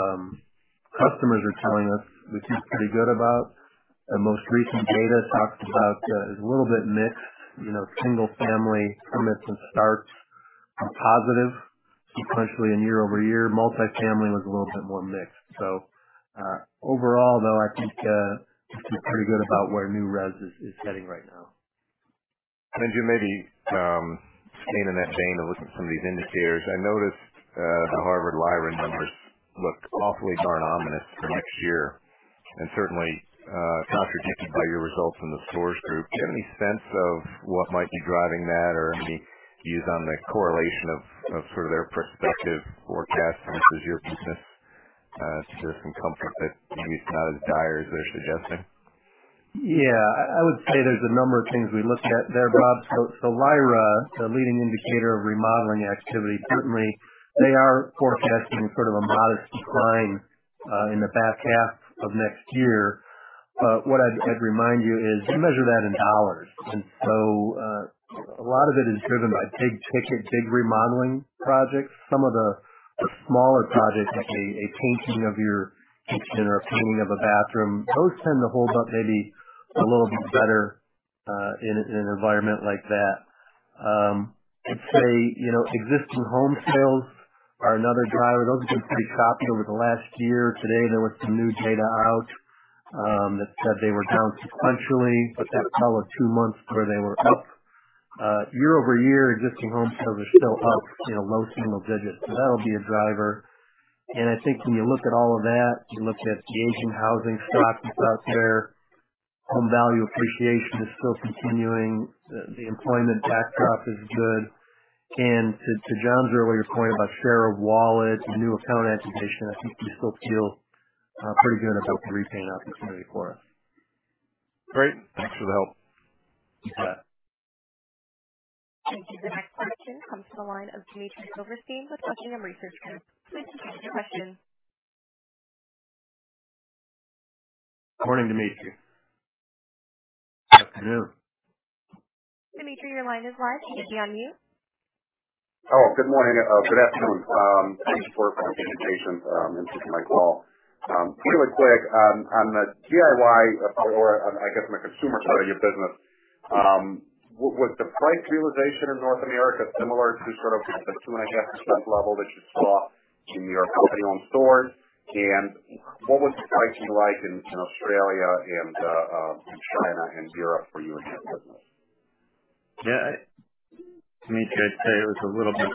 customers are telling us, which is pretty good about the most recent data, talks about is a little bit mixed. Single-family permits and starts are positive sequentially in year-over-year. Multifamily was a little bit more mixed. Overall, though, I think we feel pretty good about where new res is heading right now.
Jim, maybe staying in that vein and looking at some of these indicators. I noticed the Harvard LIRA numbers look awfully darn ominous for next year and certainly contradicted by your results in the stores group. Do you have any sense of what might be driving that or any views on the correlation of their perspective forecast versus your business to certain comfort that maybe it's not as dire as they're suggesting?
I would say there's a number of things we looked at there, Bob. LIRA, the Leading Indicator of Remodeling Activity, certainly they are forecasting sort of a modest decline in the back half of next year. What I'd remind you is you measure that in dollar. A lot of it is driven by big ticket, big remodeling projects. Some of the smaller projects like a painting of your kitchen or a painting of a bathroom, those tend to hold up maybe a little bit better in an environment like that. I'd say existing home sales are another driver. Those have been pretty choppy over the last year. Today there was some new data out that said they were down sequentially, but that followed two months where they were up. Year-over-year, existing home sales are still up low single digits. That'll be a driver. I think when you look at all of that, you look at the aging housing stock that's out there, home value appreciation is still continuing. The employment backdrop is good. To John's earlier point about share of wallet and new account acquisition, I think we still feel pretty good about the repaint opportunity for us.
Great. Thanks for the help.
You bet.
Thank you. The next question comes from the line of Dmitry Silversteyn with The Water Tower Research. Please proceed with your question.
Morning, Dmitry.
Good afternoon.
Dmitry, your line is live. You can hit mute.
Good morning. Good afternoon. Thanks for the presentation and taking my call. Really quick, on the DIY or I guess on the consumer side of your business, was the price realization in North America similar to sort of the 2.5% level that you saw in your company-owned stores? What was the pricing like in Australia and China and Europe for you in that business?
Yeah. Dmitry, I'd say it was a little bit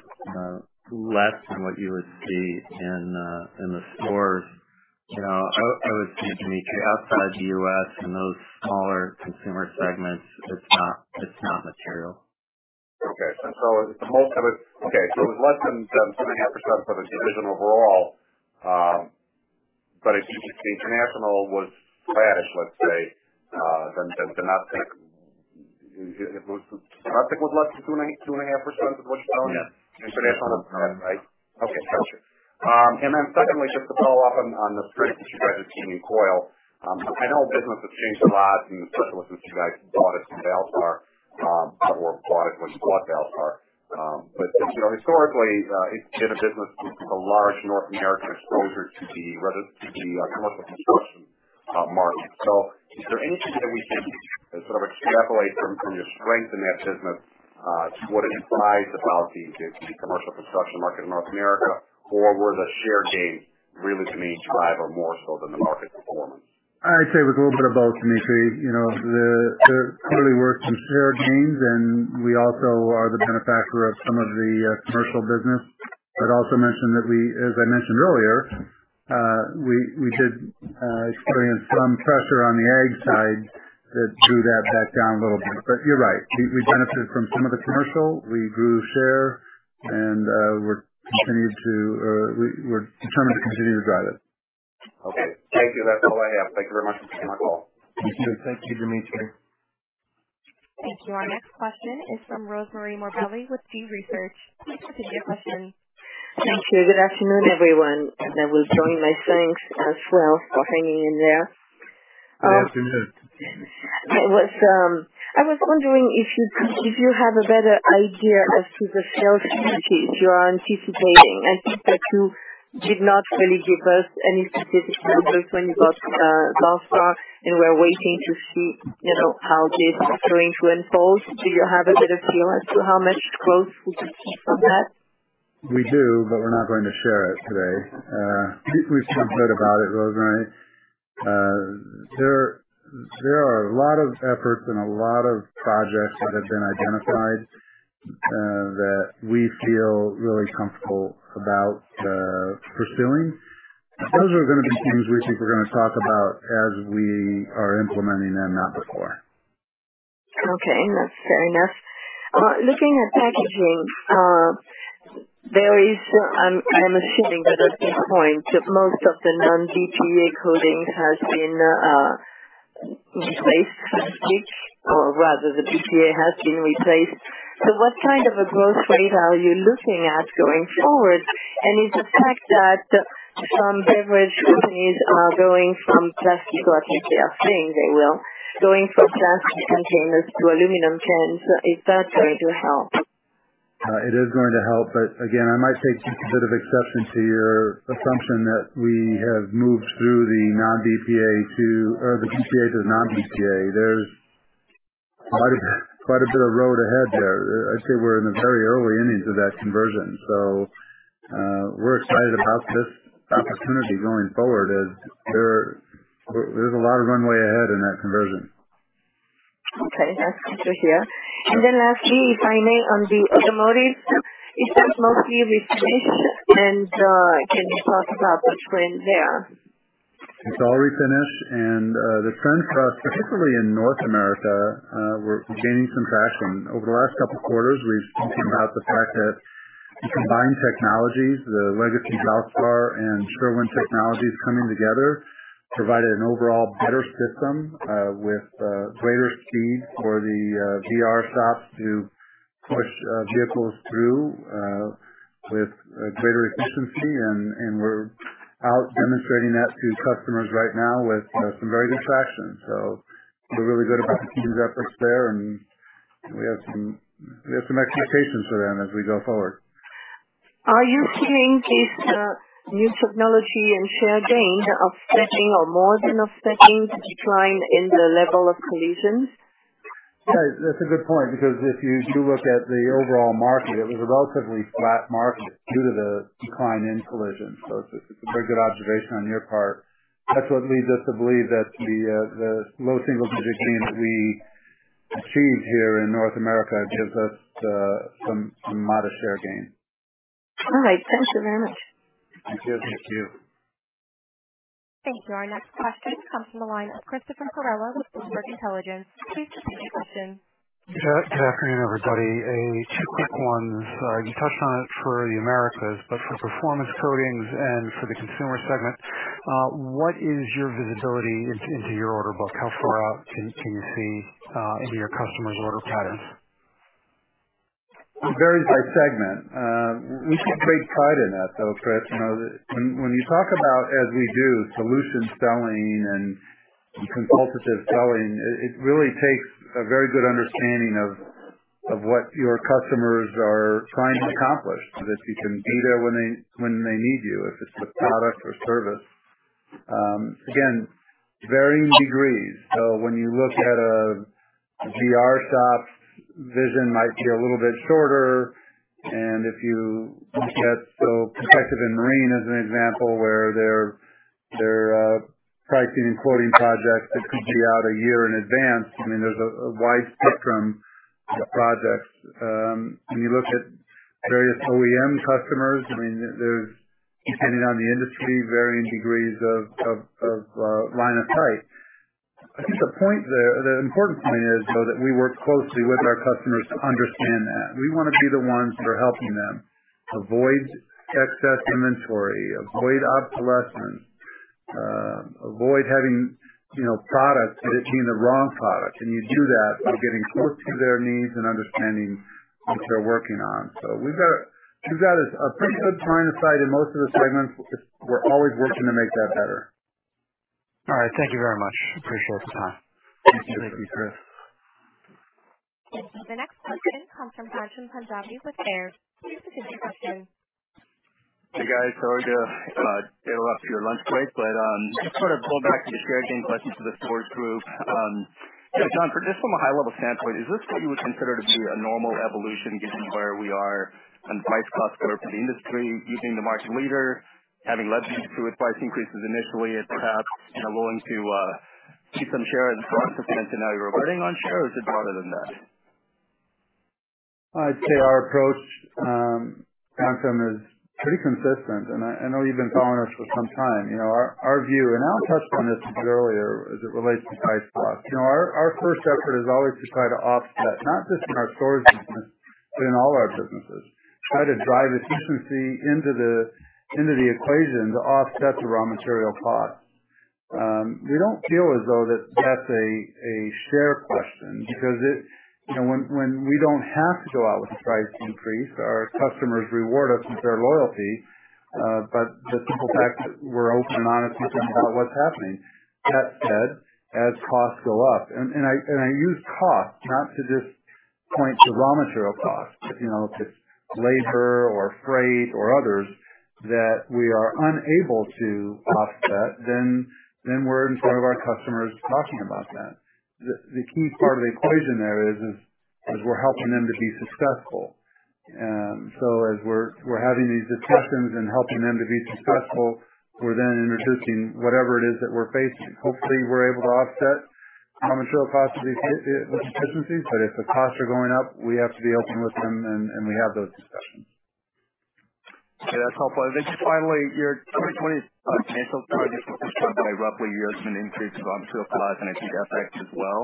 less than what you would see in the stores. I would say, Dmitry, outside the U.S. in those smaller consumer segments, it's not material.
Okay. It was less than 2.5% for the division overall, but if the international was flat-ish, let's say, then North America was less than 2.5% is what you're telling me?
Yeah.
International was flat, right? Okay. Got you. Secondly, just to follow up on the strength that you guys are seeing in coil. I know business has changed a lot, especially since you guys bought it from Valspar or bought what you bought Valspar. Historically, it's been a business with a large North American exposure to the commercial construction market. Is there anything that we can sort of extrapolate from your strength in that business to what it implies about the commercial construction market in North America? Was the share gain really the main driver more so than the market performance?
I'd say it was a little bit of both, Dmitry. There clearly were some share gains, and we also are the benefactor of some of the commercial business. I'd also mention that, as I mentioned earlier, we did experience some pressure on the ag side that drew that back down a little bit. You're right. We benefited from some of the commercial. We grew share, and we're determined to continue to drive it.
Okay. Thank you. That's all I have. Thank you very much for taking my call.
Thank you, Dmitry.
Thank you. Our next question is from Rosemarie Morbelli with G.research. Please proceed with your question.
Thank you. Good afternoon, everyone. I will join my thanks as well for hanging in there.
Good afternoon.
I was wondering if you have a better idea as to the sales increases you are anticipating. I think that you did not really give us any specific numbers when you got SuperPaint, and we're waiting to see how this is going to unfold. Do you have a better feel as to how much growth we could see from that?
We do, but we're not going to share it today. We've talked a bit about it, Rosemarie. There are a lot of efforts and a lot of projects that have been identified that we feel really comfortable about pursuing. Those are going to be things we think we're going to talk about as we are implementing them, not before.
Okay, that's fair enough. Looking at packaging, I'm assuming that at this point, most of the non-BPA coating has been replaced, I think, or rather the BPA has been replaced. What kind of a growth rate are you looking at going forward? Is the fact that some beverage companies are going from plastic to BPA-free, or saying they will, going from plastic containers to aluminum cans, is that going to help?
It is going to help. Again, I might take a bit of exception to your assumption that we have moved through the BPA to non-BPA. There's quite a bit of road ahead there. I'd say we're in the very early innings of that conversion. We're excited about this opportunity going forward, as there's a lot of runway ahead in that conversion.
Okay. That's good to hear. Then lastly, if I may, on the automotive, is that mostly refinish? Can you talk about the trend there?
It's all refinish. The trends for us, particularly in North America, we're gaining some traction. Over the last couple of quarters, we've spoken about the fact that the combined technologies, the legacy Valspar and Sherwin technologies coming together, provided an overall better system with greater speed for the body shops to push vehicles through with greater efficiency. We're out demonstrating that to customers right now with some very good traction. We feel really good about the team's efforts there, and we have some expectations for them as we go forward.
Are you seeing this new technology and share gain offsetting or more than offsetting the decline in the level of collisions?
That's a good point, because if you look at the overall market, it was a relatively flat market due to the decline in collisions. It's a very good observation on your part. That's what leads us to believe that the low single-digit gain that we achieved here in North America gives us some modest share gains.
All right. Thank you very much.
Thank you.
Thank you. Our next question comes from the line of Christopher Perrella with Bloomberg Intelligence. Please proceed with your question.
Good afternoon, everybody. Two quick ones. You touched on it for the Americas, but for Performance Coatings and for the Consumer segment, what is your visibility into your order book? How far out can you see into your customers' order patterns?
It varies by segment. We take great pride in that, though, Chris. When you talk about, as we do, solution selling and consultative selling, it really takes a very good understanding of what your customers are trying to accomplish, that you can be there when they need you, if it's with product or service. Again, varying degrees. When you look at a body shop's vision might be a little bit shorter. If you look at Protective and Marine as an example, where they're pricing and quoting projects that could be out a year in advance. There's a wide spectrum of projects. When you look at various OEM customers, there's, depending on the industry, varying degrees of line of sight. I think the important point is, though, that we work closely with our customers to understand that. We want to be the ones that are helping them avoid excess inventory, avoid obsolescence, avoid having products that are the wrong product. You do that by getting close to their needs and understanding what they're working on. We've got a pretty good line of sight in most of the segments. We're always working to make that better.
All right. Thank you very much. Appreciate the time.
Thank you, Chris.
The next question comes from Ghansham Panjabi with Baird. Please proceed with your question.
Hey, guys. Sorry to interrupt your lunch break, just want to pull back to the share gain question for the fourth group. John, just from a high-level standpoint, is this what you would consider to be a normal evolution given where we are in price cost curve for the industry, using the market leader, having led through price increases initially at the top and allowing to keep some share and some substance, and now you're partnering on share, or is it broader than that?
I'd say our approach, Ghansham, is pretty consistent, and I know you've been following us for some time. Our view, and Al touched on this a bit earlier, as it relates to price locks. Our first effort is always to try to offset, not just in our stores business, but in all our businesses, try to drive efficiency into the equation to offset the raw material costs. We don't feel as though that's a share question, because when we don't have to go out with a price increase, our customers reward us with their loyalty. It's the simple fact that we're open and honest with them about what's happening. That said, as costs go up, and I use cost not to just point to raw material costs, if it's labor or freight or others that we are unable to offset, then we're in front of our customers talking about that. The key part of the equation there is we're helping them to be successful. As we're having these discussions and helping them to be successful, we're then introducing whatever it is that we're facing. Hopefully, we're able to offset raw material costs with efficiency. If the costs are going up, we have to be open with them, and we have those discussions.
Okay, that's helpful. Just finally, your 2020 financials, I just want to confirm roughly you're estimating an increase of raw material costs and IT effects as well.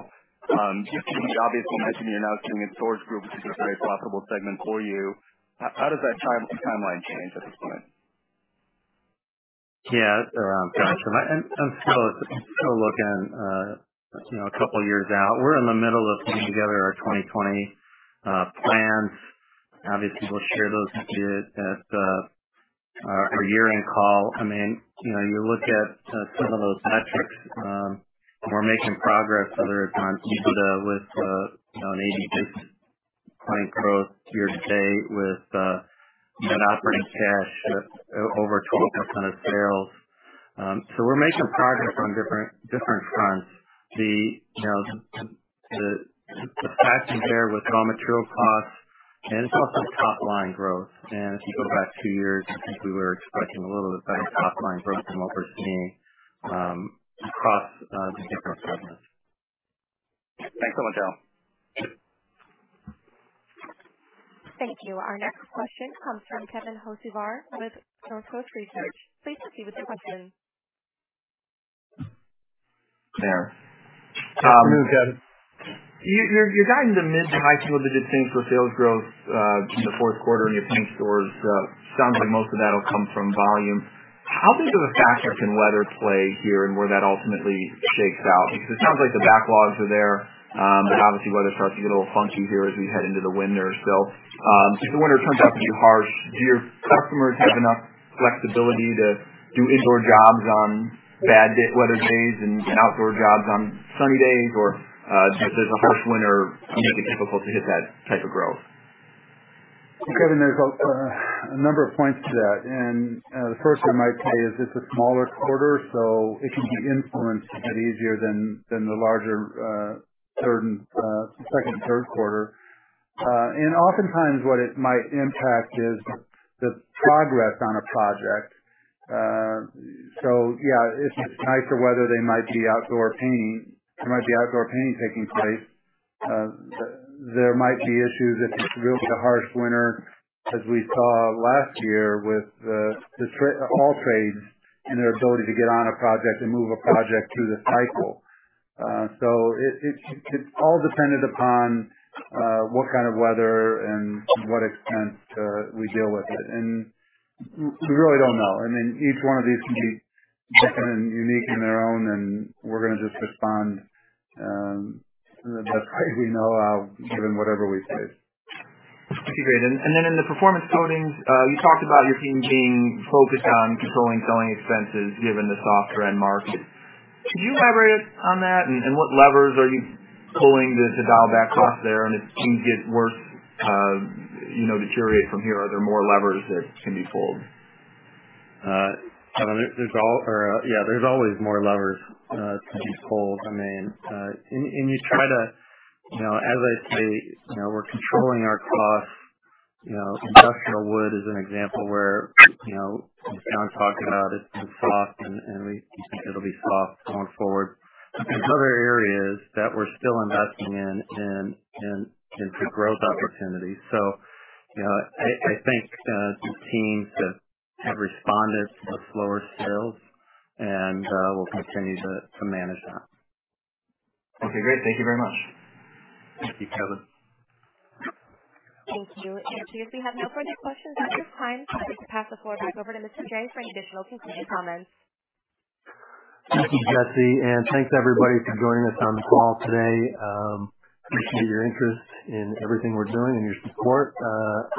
Just to be obvious, you mentioned you're now turning the Stores Group, which is a very profitable segment for you. How does that timeline change at this point?
Yeah. Gotcha. I'm still looking a couple years out. We're in the middle of putting together our 2020 plans. Obviously, we'll share those with you at our year-end call. You look at some of those metrics. We're making progress, whether it's on EBITDA with an 86 point growth year to date with net operating cash at over 12% of sales. We're making progress on different fronts. The pricing there with raw material costs, it's also top-line growth. If you go back two years, I think we were expecting a little bit better top-line growth than what we're seeing across the different segments.
Thanks so much, Al.
Thank you. Our next question comes from Kevin Hocevar with Northcoast Research. Please proceed with your question.
There.
Go ahead, Kevin.
You're guiding the mid to high single digits range for sales growth in the Q4 in your paint stores. Sounds like most of that'll come from volume. How big of a factor can weather play here and where that ultimately shakes out? It sounds like the backlogs are there, but obviously weather starts to get a little funky here as we head into the winter. If the winter turns out to be harsh, do your customers have enough flexibility to do indoor jobs on bad weather days and outdoor jobs on sunny days, or does a harsh winter make it difficult to hit that type of growth?
Kevin, there's a number of points to that. The first one I'd say is it's a smaller quarter, so it can be influenced a bit easier than the larger second and Q3. Oftentimes what it might impact is the progress on a project. Yeah, if the types of weather there might be outdoor painting taking place. There might be issues if it's really a harsh winter, as we saw last year with all trades and their ability to get on a project and move a project through the cycle. It's all dependent upon what kind of weather and to what extent we deal with it. We really don't know. Each one of these can be different and unique on their own, and we're going to just respond the best way we know how given whatever we face.
Okay, great. In the Performance Coatings, you talked about your team being focused on controlling selling expenses given the softer end market. Could you elaborate on that? What levers are you pulling to dial back costs there and if things get worse, deteriorate from here, are there more levers that can be pulled?
Kevin, there's always more levers to be pulled. You try to, as I say, we're controlling our costs. Industrial wood is an example where John talked about it's been soft and it'll be soft going forward. There's other areas that we're still investing in for growth opportunities. I thank the teams that have responded to the slower sales and we'll continue to manage that.
Okay, great. Thank you very much.
Thank you, Kevin.
Thank you. It appears we have no further questions at this time. I'd like to pass the floor back over to Mr. Jaye for any additional concluding comments.
Thank you, Jesse. Thanks everybody for joining us on the call today. Appreciate your interest in everything we're doing and your support.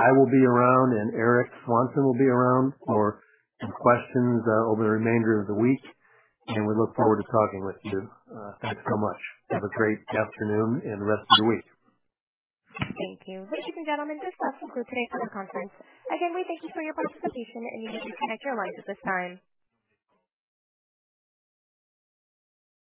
I will be around. Eric Swanson will be around for some questions over the remainder of the week. We look forward to talking with you. Thanks so much. Have a great afternoon and rest of the week.
Thank you. Ladies and gentlemen, this does conclude today's conference call. Again, we thank you for your participation, and you may disconnect your lines at this time.